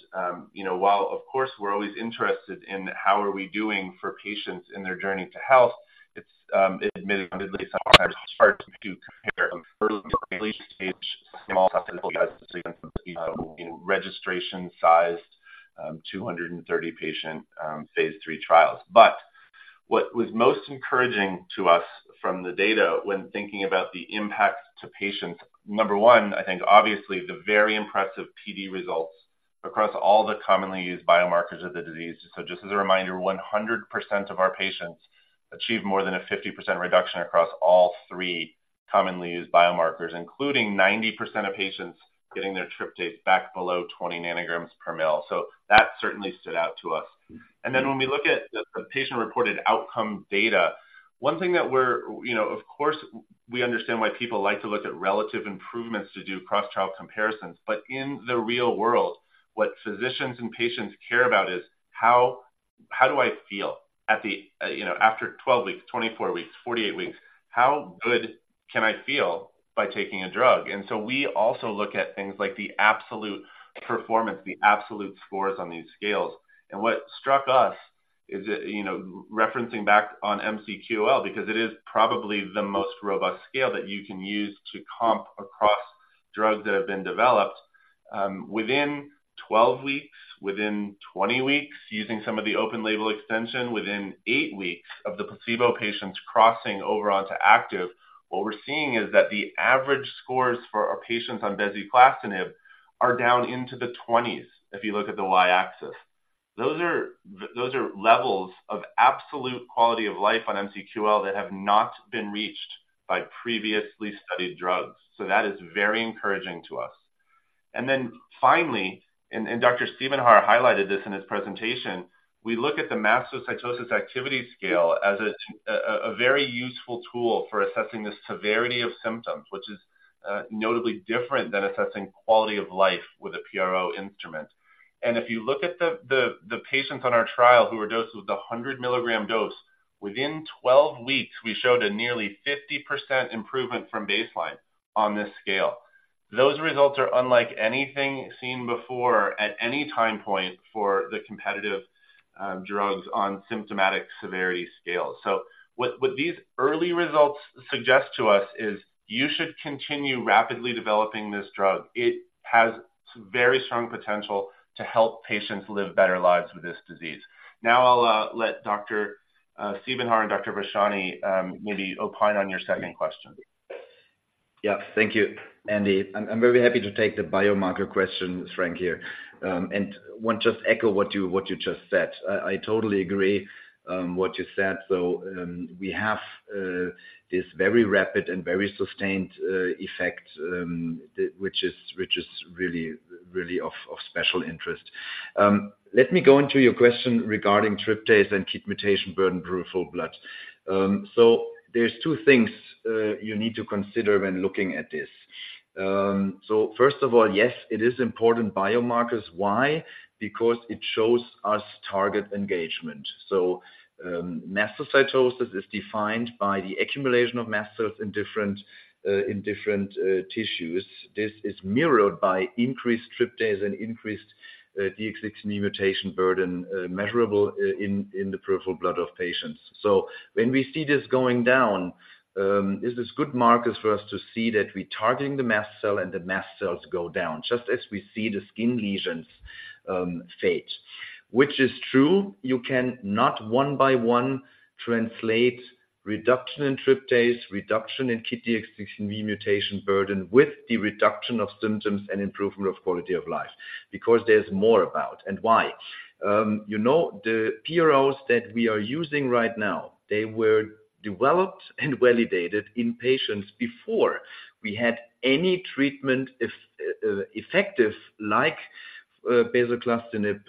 you know, while, of course, we're always interested in how are we doing for patients in their journey to health, it's admittedly sometimes hard to compare a early-stage small registration-sized 230-patient phase three trials. But what was most encouraging to us from the data when thinking about the impact to patients, number one, I think obviously the very impressive PD results across all the commonly used biomarkers of the disease. So just as a reminder, 100% of our patients achieved more than a 50% reduction across all three commonly used biomarkers, including 90% of patients getting their tryptase back below 20 nanograms per ml. So that certainly stood out to us. And then when we look at the patient-reported outcome data, one thing that we're you know, of course, we understand why people like to look at relative improvements to do cross-trial comparisons, but in the real world, what physicians and patients care about is: how, how do I feel at the, you know, after 12 weeks, 24 weeks, 48 weeks? How good can I feel by taking a drug? And so we also look at things like the absolute performance, the absolute scores on these scales. And what struck us is that, you know, referencing back on MC-QoL, because it is probably the most robust scale that you can use to comp across drugs that have been developed, within 12 weeks, within 20 weeks, using some of the open label extension, within eight weeks of the placebo patients crossing over onto active, what we're seeing is that the average scores for our patients on bezuclastinib are down into the 20s, if you look at the Y-axis. Those are, those are levels of absolute quality of life on MC-QoL that have not been reached by previously studied drugs. So that is very encouraging to us. And then finally, and, and Dr. Siebenhaar highlighted this in his presentation. We look at the mastocytosis activity scale as a very useful tool for assessing the severity of symptoms, which is notably different than assessing quality of life with a PRO instrument. And if you look at the patients on our trial who were dosed with a 100mg dose, within 12 weeks, we showed a nearly 50% improvement from baseline on this scale. Those results are unlike anything seen before at any time point for the competitive drugs on symptomatic severity scales. So what these early results suggest to us is you should continue rapidly developing this drug. It has some very strong potential to help patients live better lives with this disease. Now, I'll let Dr. Siebenhaar and Dr. Vachani maybe opine on your second question. Yeah. Thank you, Andy. I'm very happy to take the biomarker question, Frank, here. And want to just echo what you just said. I totally agree what you said. So, we have this very rapid and very sustained effect, which is really, really of special interest. Let me go into your question regarding tryptase and KIT mutation burden peripheral blood. So there's two things you need to consider when looking at this. So first of all, yes, it is important biomarkers. Why? Because it shows us target engagement. So, mastocytosis is defined by the accumulation of mast cells in different tissues. This is mirrored by increased tryptase and increased D816 mutation burden, measurable in the peripheral blood of patients. So when we see this going down, this is good markers for us to see that we're targeting the mast cell and the mast cells go down, just as we see the skin lesions, fade. Which is true, you can not one by one translate reduction in tryptase, reduction in KIT D816V mutation burden with the reduction of symptoms and improvement of quality of life, because there's more about and why. You know, the PROs that we are using right now, they were developed and validated in patients before we had any treatment, if, effective, like, avapritinib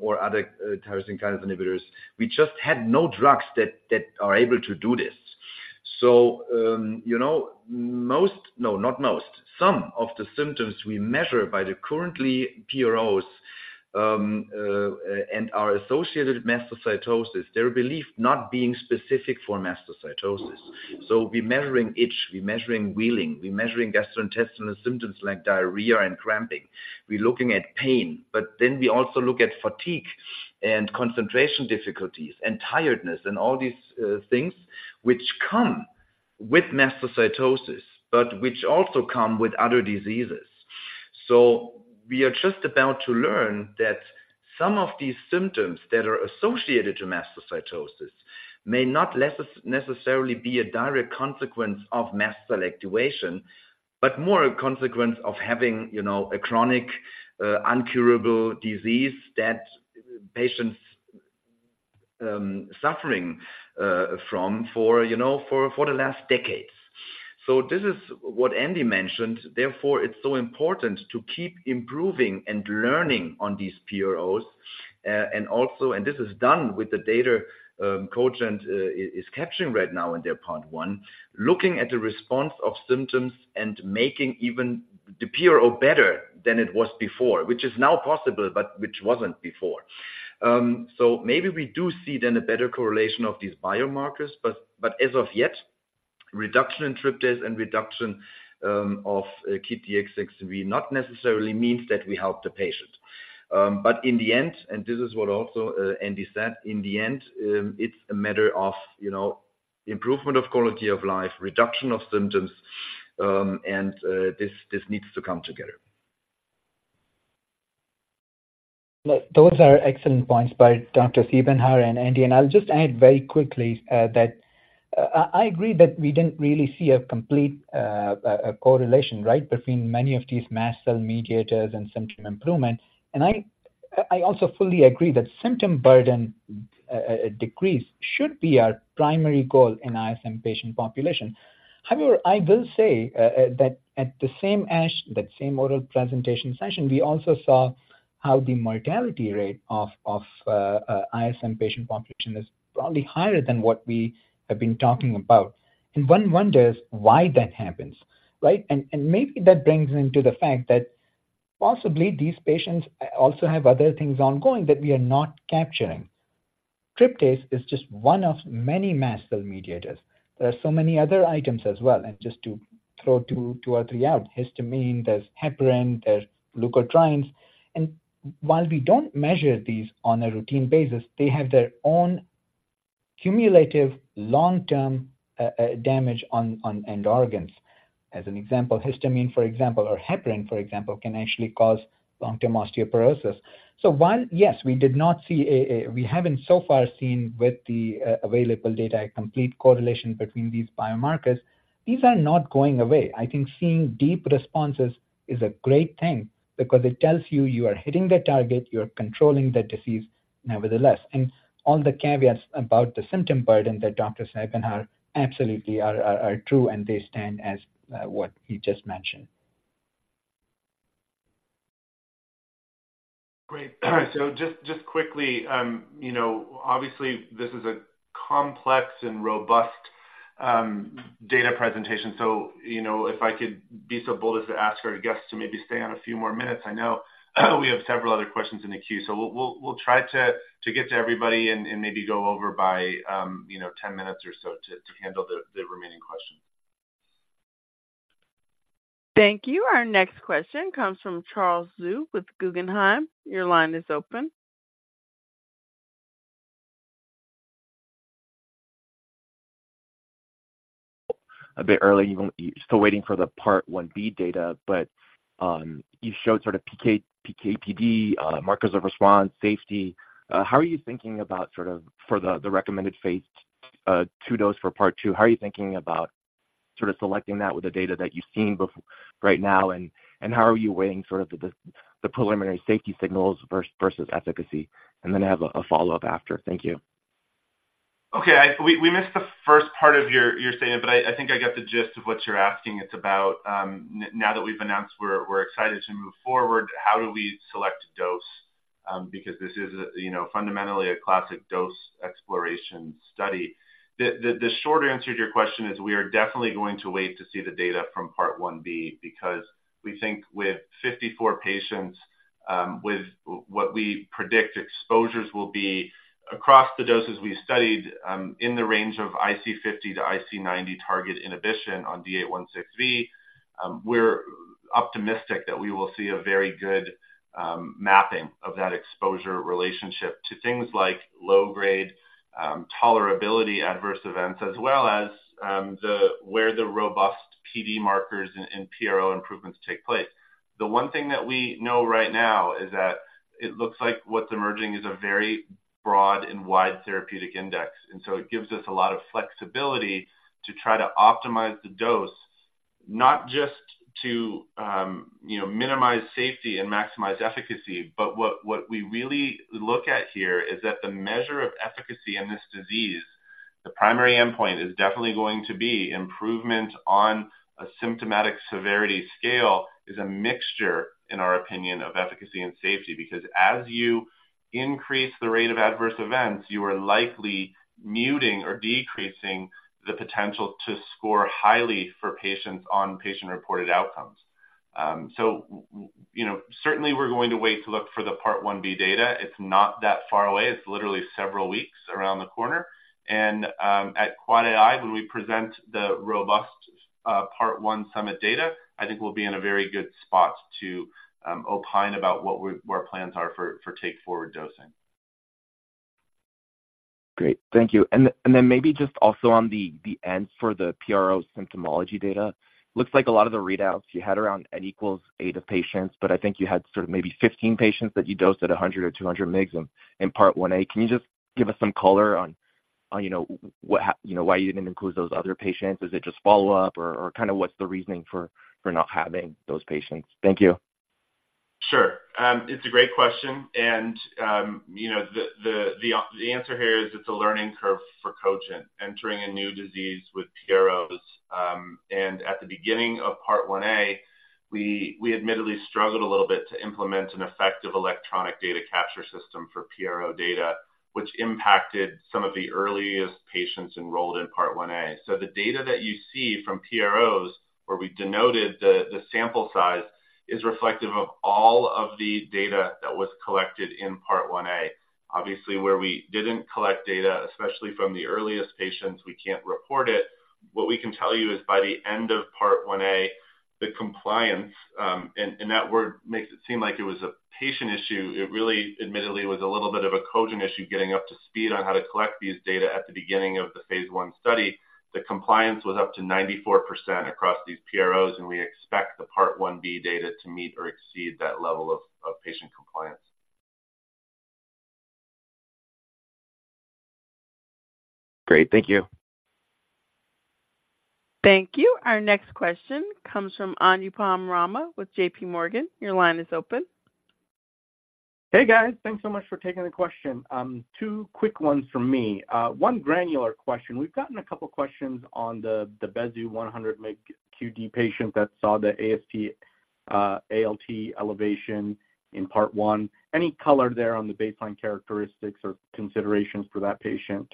or other tyrosine kinase inhibitors. We just had no drugs that, that are able to do this. So, you know, not most, some of the symptoms we measure by the current PROs, and are associated with mastocytosis, they're believed not being specific for mastocytosis. So we're measuring itch, we're measuring whealing, we're measuring gastrointestinal symptoms like diarrhea and cramping. We're looking at pain, but then we also look at fatigue and concentration difficulties and tiredness and all these things which come with mastocytosis, but which also come with other diseases. So we are just about to learn that some of these symptoms that are associated to mastocytosis may not necessarily be a direct consequence of mast cell activation, but more a consequence of having, you know, a chronic, incurable disease that patients suffering from for, you know, for the last decades. So this is what Andy mentioned. Therefore, it's so important to keep improving and learning on these PROs. And also, and this is done with the data, Cogent is capturing right now in their part one, looking at the response of symptoms and making even the PRO better than it was before, which is now possible, but which wasn't before. So maybe we do see then a better correlation of these biomarkers, but, but as of yet, reduction in tryptase and reduction of D816V not necessarily means that we help the patient. But in the end, and this is what also, Andy said, in the end, it's a matter of, you know, improvement of quality of life, reduction of symptoms, and, this, this needs to come together. Look, those are excellent points by Dr. Siebenhaar and Andy, and I'll just add very quickly that I agree that we didn't really see a complete correlation, right? Between many of these mast cell mediators and symptom improvement. And I also fully agree that symptom burden decrease should be our primary goal in ISM patient population. However, I will say that at the same ASH, that same oral presentation session, we also saw how the mortality rate of ISM patient population is probably higher than what we have been talking about. And one wonders why that happens, right? And maybe that brings into the fact that possibly these patients also have other things ongoing that we are not capturing. Tryptase is just one of many mast cell mediators. There are so many other items as well, and just to throw two or three out, histamine, there's heparin, there's leukotrienes. And while we don't measure these on a routine basis, they have their own cumulative long-term damage on end organs. As an example, histamine, for example, or heparin, for example, can actually cause long-term osteoporosis. So while, yes, we did not see we haven't so far seen with the available data, a complete correlation between these biomarkers, these are not going away. I think seeing deep responses is a great thing because it tells you you are hitting the target, you are controlling the disease nevertheless. And all the caveats about the symptom burden that Dr. Siebenhaar absolutely are true, and they stand as what he just mentioned. Great. So just quickly, you know, obviously this is a complex and robust data presentation. So, you know, if I could be so bold as to ask our guests to maybe stay on a few more minutes, I know we have several other questions in the queue. So we'll try to get to everybody and maybe go over by, you know, 10 minutes or so to handle the remaining questions. Thank you. Our next question comes from Charles Zhu with Guggenheim. Your line is open. A bit early, you're still waiting for the part 1B data, but you showed sort of PK, PK/PD, markers of response, safety. How are you thinking about sort of for the, the recommended phase II dose for part 2? How are you thinking about sort of selecting that with the data that you've seen right now, and, and how are you weighing sort of the, the, the preliminary safety signals versus efficacy? And then I have a, a follow-up after. Thank you. Okay, We missed the first part of your statement, but I think I get the gist of what you're asking. It's about, now that we've announced we're excited to move forward, how do we select dose? Because this is a, you know, fundamentally a classic dose exploration study. The short answer to your question is we are definitely going to wait to see the data from part one B, because we think with 54 patients, with what we predict exposures will be across the doses we studied, in the range of IC50 to IC90 target inhibition on D816V, we're optimistic that we will see a very good mapping of that exposure relationship to things like low grade tolerability adverse events, as well as the where the robust PD markers and PRO improvements take place. The one thing that we know right now is that it looks like what's emerging is a very broad and wide therapeutic index, and so it gives us a lot of flexibility to try to optimize the dose, not just to, you know, minimize safety and maximize efficacy. But what we really look at here is that the measure of efficacy in this disease, the primary endpoint, is definitely going to be improvement on a symptomatic severity scale, is a mixture, in our opinion, of efficacy and safety. Because as you increase the rate of adverse events, you are likely muting or decreasing the potential to score highly for patients on patient-reported outcomes. So, you know, certainly we're going to wait to look for the Part 1B data. It's not that far away. It's literally several weeks around the corner. At Q1, when we present the robust part one SUMMIT data, I think we'll be in a very good spot to opine about what our plans are for take-forward dosing. Great. Thank you. And then maybe just also on the end for the PRO symptomology data. Looks like a lot of the readouts you had around N=8 patients, but I think you had sort of maybe 15 patients that you dosed at 100 or 200 mg in Part 1a. Can you just give us some color on, you know, what happened, you know, why you didn't include those other patients? Is it just follow-up or kind of what's the reasoning for not having those patients? Thank you. Sure. It's a great question, and, you know, the answer here is it's a learning curve for Cogent, entering a new disease with PROs. And at the beginning of Part 1a, we admittedly struggled a little bit to implement an effective electronic data capture system for PRO data, which impacted some of the earliest patients enrolled in Part 1a. So the data that you see from PROs, where we denoted the sample size, is reflective of all of the data that was collected in Part 1a. Obviously, where we didn't collect data, especially from the earliest patients, we can't report it. What we can tell you is by the end of Part 1a, the compliance, and that word makes it seem like it was a patient issue. It really, admittedly, was a little bit of a coding issue, getting up to speed on how to collect these data at the beginning of the phase I study. The compliance was up to 94% across these PROs, and we expect the Part 1b data to meet or exceed that level of, of patient compliance. Great. Thank you. Thank you. Our next question comes from Anupam Rama with JPMorgan. Your line is open. Hey, guys. Thanks so much for taking the question. Two quick ones from me. One granular question. We've gotten a couple of questions on the BEZU 100 mg QD patient that saw the AST, ALT elevation in part one. Any color there on the baseline characteristics or considerations for that patient?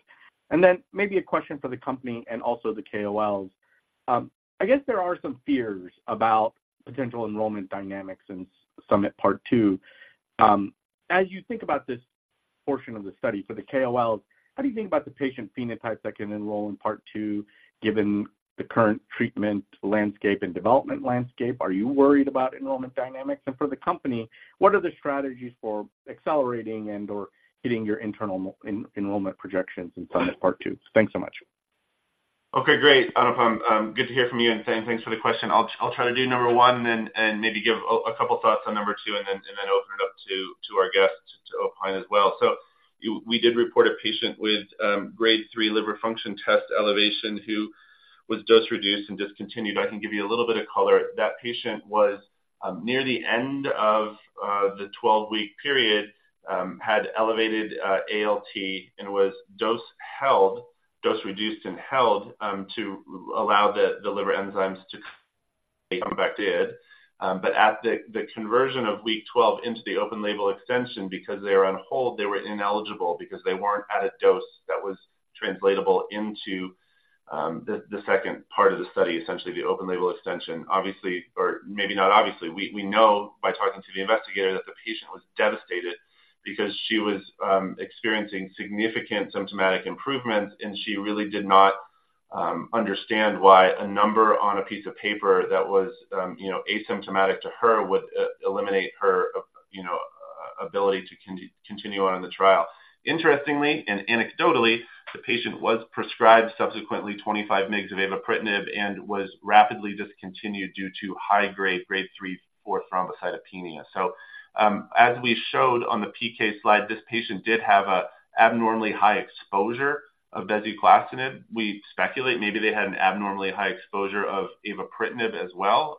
And then maybe a question for the company and also the KOLs. I guess there are some fears about potential enrollment dynamics in SUMMIT Part Two. As you think about this portion of the study for the KOLs, how do you think about the patient phenotypes that can enroll in part two, given the current treatment landscape and development landscape? Are you worried about enrollment dynamics? And for the company, what are the strategies for accelerating and/or hitting your internal enrollment projections in SUMMIT Part Two? Thanks so much. Okay, great, Anupam. Good to hear from you, and thanks for the question. I'll try to do number 1 and maybe give a couple thoughts on number two and then open it up to our guests to opine as well. So we did report a patient with grade three liver function test elevation who was dose reduced and discontinued. I can give you a little bit of color. That patient was near the end of the 12-week period, had elevated ALT and was dose held, dose reduced and held to allow the liver enzymes to come back did. But at the conversion of week 12 into the open-label extension, because they were on hold, they were ineligible because they weren't at a dose that was translatable into the second part of the study, essentially the open-label extension. Obviously, or maybe not obviously, we know by talking to the investigator, that the patient was devastated because she was experiencing significant symptomatic improvements, and she really did not understand why a number on a piece of paper that was, you know, asymptomatic to her would eliminate her, you know, ability to continue on in the trial. Interestingly and anecdotally, the patient was prescribed subsequently 25mg of avapritinib and was rapidly discontinued due to high-grade three to four thrombocytopenia. So, as we showed on the PK slide, this patient did have an abnormally high exposure of bezuclastinib. We speculate maybe they had an abnormally high exposure of avapritinib as well,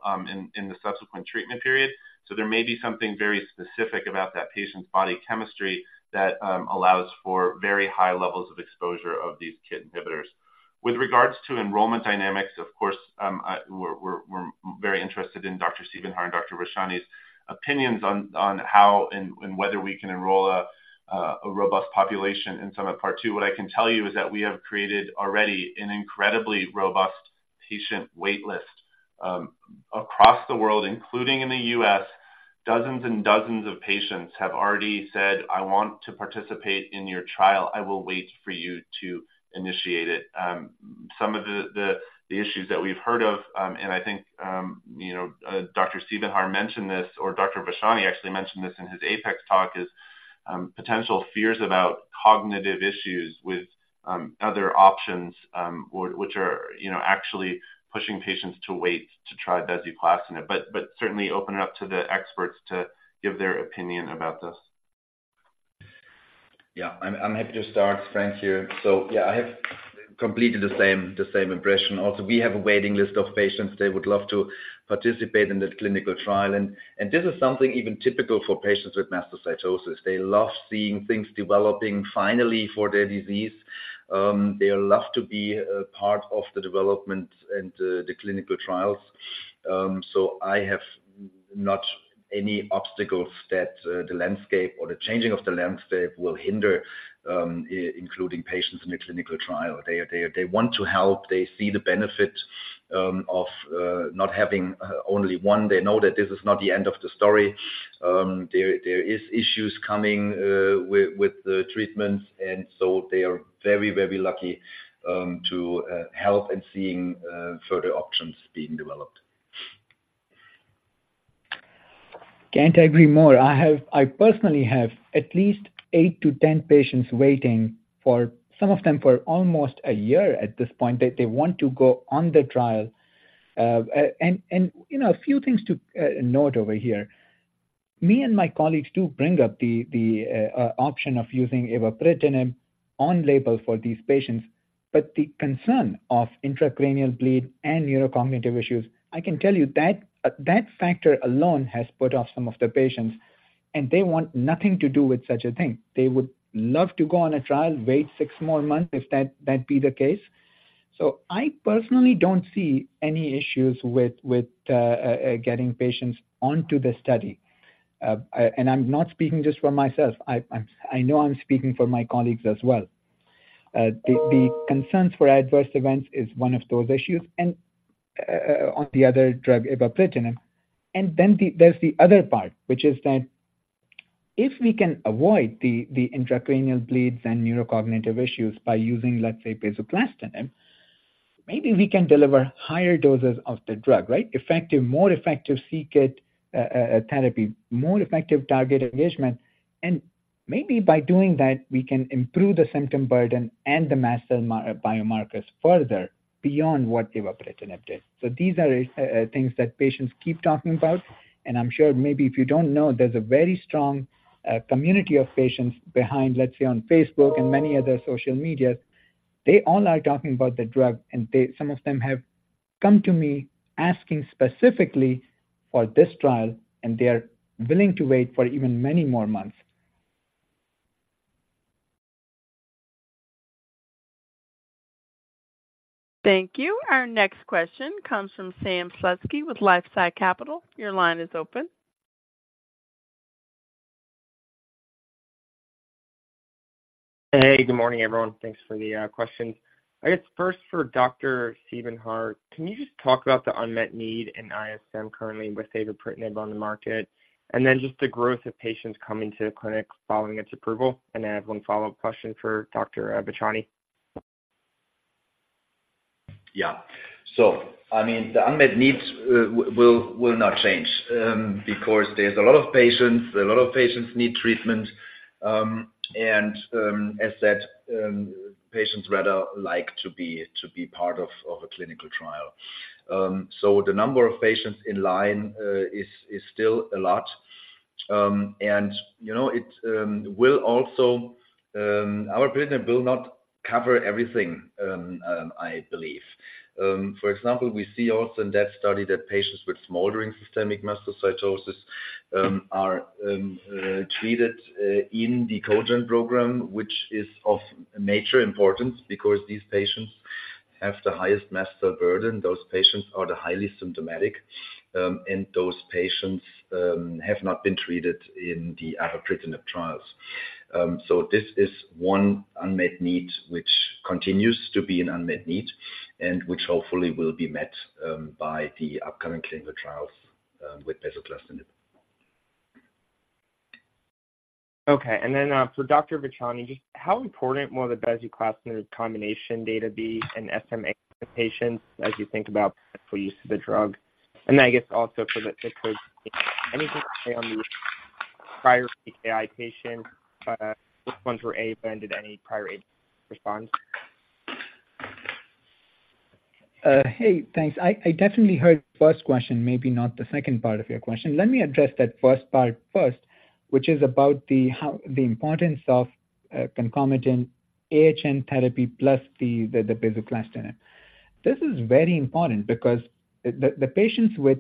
in the subsequent treatment period. So there may be something very specific about that patient's body chemistry that allows for very high levels of exposure of these KIT inhibitors. With regards to enrollment dynamics, of course, we're very interested in Dr. Siebenhaar and Dr. Vachhani opinions on how and whether we can enroll a robust population in SUMMIT Part Two. What I can tell you is that we have created already an incredibly robust patient wait list across the world, including in the US. Dozens and dozens of patients have already said, "I want to participate in your trial. I will wait for you to initiate it." Some of the issues that we've heard of, and I think, you know, Dr. Siebenhaar mentioned this, or Dr. Vachani actually mentioned this in his APEX talk, is potential fears about cognitive issues with other options, which are, you know, actually pushing patients to wait to try bezuclastinib. But certainly open it up to the experts to give their opinion about this. Yeah, I'm happy to start. Frank here. So yeah, I have completely the same impression. Also, we have a waiting list of patients. They would love to participate in the clinical trial, and this is something even typical for patients with mastocytosis. They love seeing things developing finally for their disease. They love to be a part of the development and the clinical trials. So I have not any obstacle that the landscape or the changing of the landscape will hinder including patients in a clinical trial. They want to help. They see the benefit of not having only one. They know that this is not the end of the story. There is issues coming with the treatments, and so they are very, very lucky to help and seeing further options being developed. Can't agree more. I personally have at least eight to 10 patients waiting for, some of them for almost a year at this point, that they want to go on the trial. And, you know, a few things to note over here. Me and my colleagues do bring up the option of using everolimus on-label for these patients, but the concern of intracranial bleed and neurocognitive issues, I can tell you that that factor alone has put off some of the patients, and they want nothing to do with such a thing. They would love to go on a trial, wait six more months if that be the case. So I personally don't see any issues with getting patients onto the study. And I'm not speaking just for myself. I know I'm speaking for my colleagues as well. The concerns for adverse events is one of those issues, and on the other drug, everolimus. And then there's the other part, which is that if we can avoid the intracranial bleeds and neurocognitive issues by using, let's say, bezuclastinib, maybe we can deliver higher doses of the drug, right? More effective c-KIT therapy, more effective targeted engagement. And maybe by doing that, we can improve the symptom burden and the biomarkers further beyond what everolimus does. So these are things that patients keep talking about, and I'm sure maybe if you don't know, there's a very strong community of patients behind, let's say, on Facebook and many other social media. They all are talking about the drug, and they. Some of them have come to me asking specifically for this trial, and they are willing to wait for even many more months. Thank you. Our next question comes from Sam Slutsky with LifeSci Capital. Your line is open. Hey, good morning, everyone. Thanks for the questions. I guess first for Dr. Siebenhaar, can you just talk about the unmet need in ISM currently with everolimus on the market, and then just the growth of patients coming to the clinic following its approval? I have one follow-up question for Dr. Vachani. Yeah. So I mean, the unmet needs will not change because there's a lot of patients, a lot of patients need treatment, and, as said, patients rather like to be part of a clinical trial. So the number of patients in line is still a lot, and, you know, it will also, our patient will not cover everything, I believe. For example, we see also in that study that patients with smoldering systemic mastocytosis are treated in the Cogent program, which is of major importance because these patients have the highest mast cell burden. Those patients are the highly symptomatic, and those patients have not been treated in the everolimus trials. This is one unmet need, which continues to be an unmet need and which hopefully will be met by the upcoming clinical trials with bezuclastinib. Okay. And then, for Dr. Vachani, just how important will the bezuclastinib combination data be in SM-AHN patients as you think about potential use of the drug? And then I guess also for Cogent, anything on the prior TKI patients, which ones were a, but ended any prior aid response? Hey, thanks. I definitely heard the first question, maybe not the second part of your question. Let me address that first part first, which is about the how the importance of concomitant AHN therapy plus the bezuclastinib. This is very important because the patients with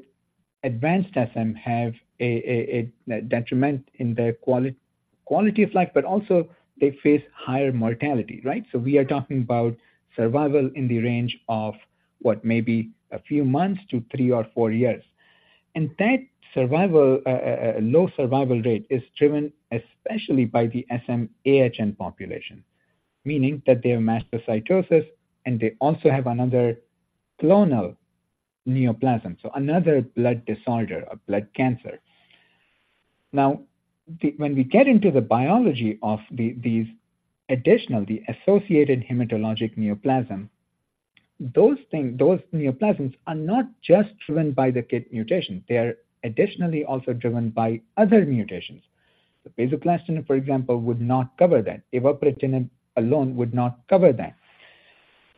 advanced SM have a detriment in their quality of life, but also they face higher mortality, right? So we are talking about survival in the range of, what, maybe a few months to three or four years. And that survival low survival rate is driven especially by the SM-AHN population, meaning that they have mastocytosis, and they also have another clonal neoplasm, so another blood disorder or blood cancer. Now, when we get into the biology of these additional, the associated hematologic neoplasm, those neoplasms are not just driven by the KIT mutation. They are additionally also driven by other mutations. The bezuclastinib, for example, would not cover that. Everolimus alone would not cover that.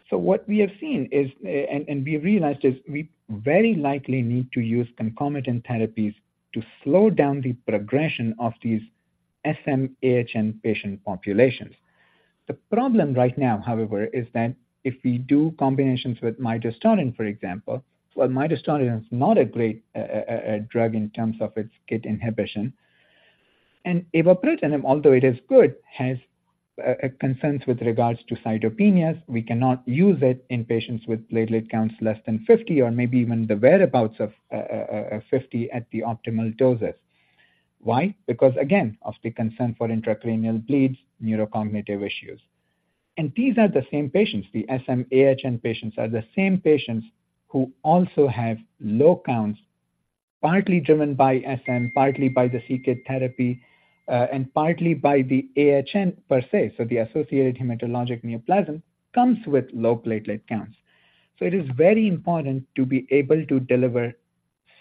So what we have seen is, and we realized is we very likely need to use concomitant therapies to slow down the progression of these SM-AHN patient populations. The problem right now, however, is that if we do combinations with midostaurin, for example, well, midostaurin is not a great, a drug in terms of its KIT inhibition. And everolimus, although it is good, has concerns with regards to cytopenias. We cannot use it in patients with platelet counts less than 50, or maybe even the whereabouts of 50 at the optimal doses. Why? Because, again, of the concern for intracranial bleeds, neurocognitive issues. These are the same patients. The SM-AHN patients are the same patients who also have low counts, partly driven by SM, partly by the KIT therapy, and partly by the AHN per se. So the associated hematologic neoplasm comes with low platelet counts. So it is very important to be able to deliver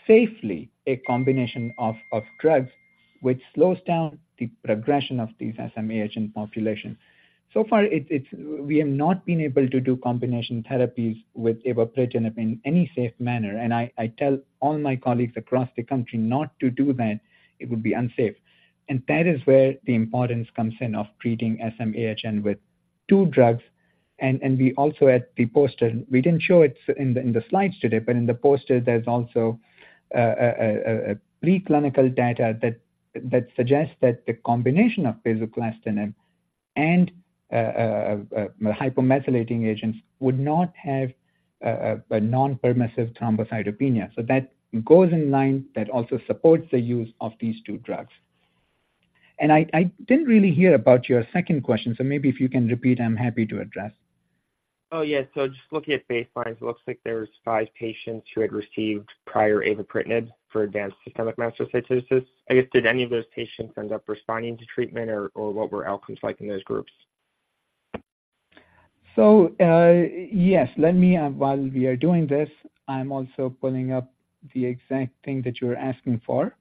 safely a combination of drugs which slows down the progression of these SM-AHN populations. So far, we have not been able to do combination therapies with avapritinib in any safe manner, and I tell all my colleagues across the country not to do that. It would be unsafe. And that is where the importance comes in of treating SM-AHN with two drugs. And we also at the poster, we didn't show it in the slides today, but in the poster, there's also a preclinical data that suggests that the combination of bezuclastinib and hypomethylating agents would not have a non-permissive thrombocytopenia. So that goes in line, that also supports the use of these two drugs. And I didn't really hear about your second question, so maybe if you can repeat, I'm happy to address. Oh, yes. So just looking at baselines, it looks like there's five patients who had received prior avapritinib for Advanced Systemic Mastocytosis. I guess, did any of those patients end up responding to treatment or, or what were outcomes like in those groups? So, yes, let me while we are doing this, I'm also pulling up the exact thing that you were asking for.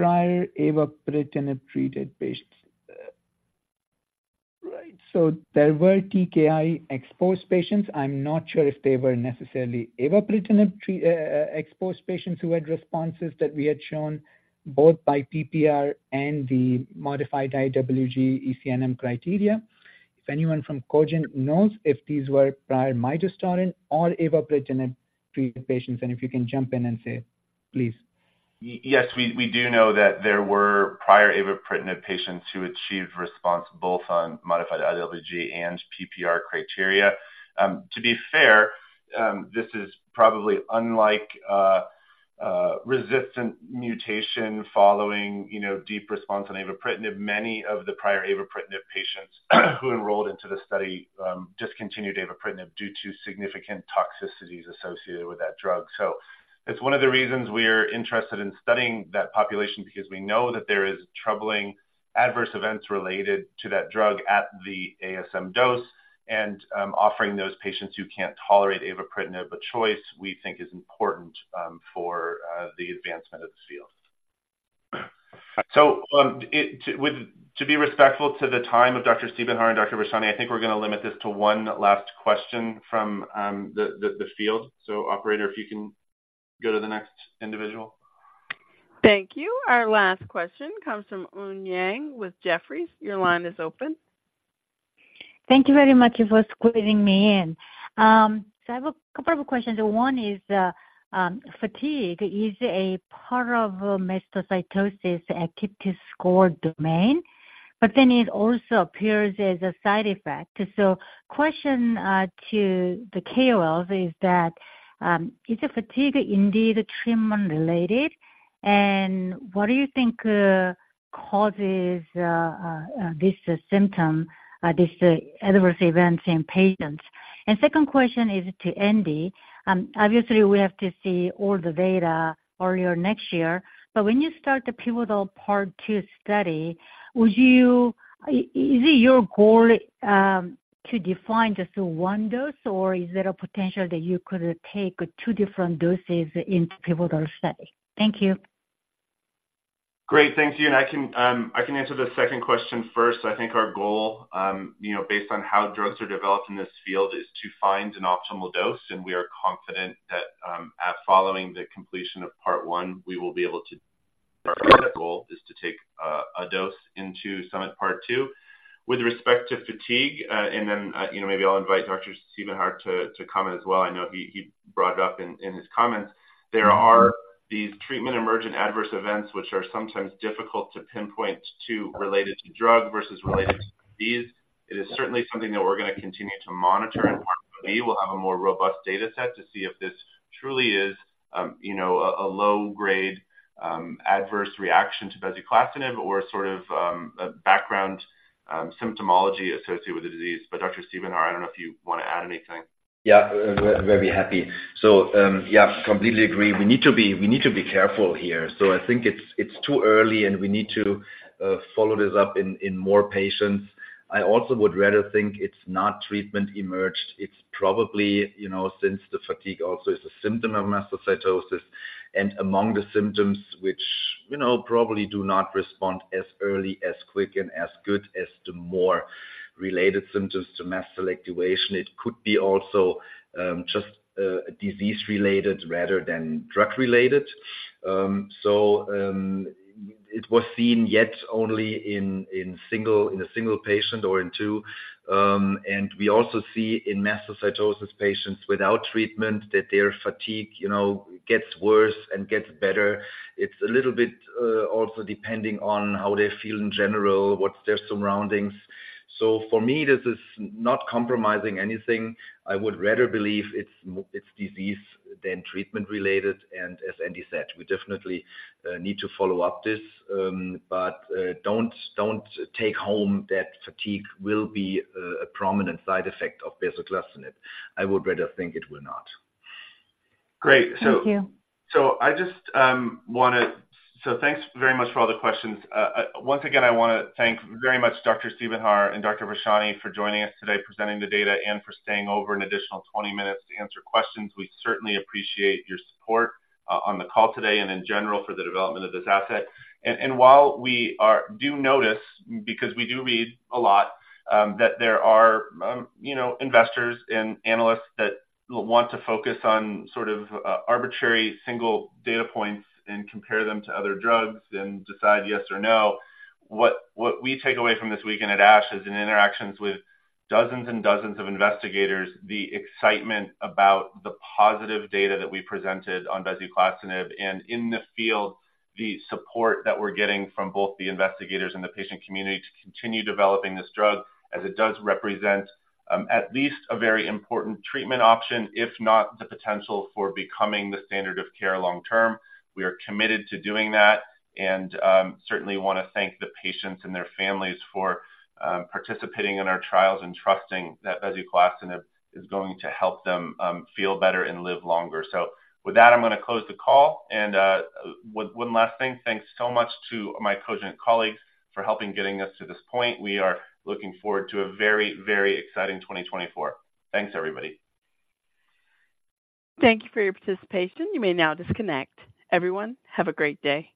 The prior avapritinib-treated patients. Right. So there were TKI-exposed patients. I'm not sure if they were necessarily avapritinib exposed patients who had responses that we had shown both by PPR and the modified IWG ECNM criteria. If anyone from Cogent knows if these were prior midostaurin or avapritinib-treated patients, and if you can jump in and say, please. Yes, we do know that there were prior avapritinib patients who achieved response both on modified IWG and PPR criteria. To be fair, this is probably unlike resistant mutation following, you know, deep response on avapritinib. Many of the prior avapritinib patients who enrolled into the study discontinued avapritinib due to significant toxicities associated with that drug. So it's one of the reasons we're interested in studying that population, because we know that there is troubling adverse events related to that drug at the ASM dose, and offering those patients who can't tolerate avapritinib a choice, we think is important for the advancement of the field. So, to be respectful to the time of Dr. Siebenhaar and Dr. Vachani, I think we're going to limit this to one last question from the field. Operator, if you can go to the next individual. Thank you. Our last question comes from Eun Yang with Jefferies. Your line is open. Thank you very much for squeezing me in. I have a couple of questions. One is, fatigue is a part of Mastocytosis Activity Score domain, but then it also appears as a side effect. Question to the KOLs is that, is the fatigue indeed treatment-related? And what do you think causes this symptom, this adverse event in patients? Second question is to Andy. Obviously, we have to see all the data earlier next year, but when you start the pivotal Part 2 study, is it your goal to define just one dose, or is there a potential that you could take two different doses in pivotal study? Thank you. Great. Thanks, Eun. I can answer the second question first. I think our goal, you know, based on how drugs are developed in this field, is to find an optimal dose, and we are confident that, at following the completion of Part One, we will be able to... Our goal is to take a dose into SUMMIT Part Two. With respect to fatigue, and then, you know, maybe I'll invite Dr. Siebenhaar to comment as well. I know he brought it up in his comments. There are these treatment-emergent adverse events, which are sometimes difficult to pinpoint to related to drug versus related to disease. It is certainly something that we're going to continue to monitor, and we will have a more robust data set to see if this truly is, you know, a low-grade adverse reaction to bezuclastinib or sort of a background symptomatology associated with the disease. But Dr. Siebenhaar, I don't know if you want to add anything. Yeah, very happy. So, yeah, completely agree. We need to be, we need to be careful here. So I think it's, it's too early, and we need to follow this up in, in more patients. I also would rather think it's not treatment emerged. It's probably, you know, since the fatigue also is a symptom of mastocytosis, and among the symptoms which, you know, probably do not respond as early, as quick, and as good as the more related symptoms to mast cell activation, it could be also, just, disease-related rather than drug-related. So, it was seen yet only in, in single, in a single patient or in two. And we also see in mastocytosis patients without treatment, that their fatigue, you know, gets worse and gets better. It's a little bit also depending on how they feel in general, what's their surroundings. So for me, this is not compromising anything. I would rather believe it's disease than treatment-related, and as Andy said, we definitely need to follow up this, but don't take home that fatigue will be a prominent side effect of bezuclastinib. I would rather think it will not. Great. Thank you. So thanks very much for all the questions. Once again, I want to thank very much Dr. Siebenhaar and Dr. Vachani for joining us today, presenting the data, and for staying over an additional 20 minutes to answer questions. We certainly appreciate your support on the call today and in general for the development of this asset. And while we are, do notice, because we do read a lot, that there are, you know, investors and analysts that want to focus on sort of arbitrary single data points and compare them to other drugs and decide yes or no. What we take away from this weekend at ASH is in interactions with dozens and dozens of investigators, the excitement about the positive data that we presented on bezuclastinib, and in the field, the support that we're getting from both the investigators and the patient community to continue developing this drug, as it does represent at least a very important treatment option, if not the potential for becoming the standard of care long term. We are committed to doing that and certainly want to thank the patients and their families for participating in our trials and trusting that bezuclastinib is going to help them feel better and live longer. So with that, I'm going to close the call and one last thing. Thanks so much to my Cogent colleagues for helping getting us to this point. We are looking forward to a very, very exciting 2024. Thanks, everybody. Thank you for your participation. You may now disconnect. Everyone, have a great day.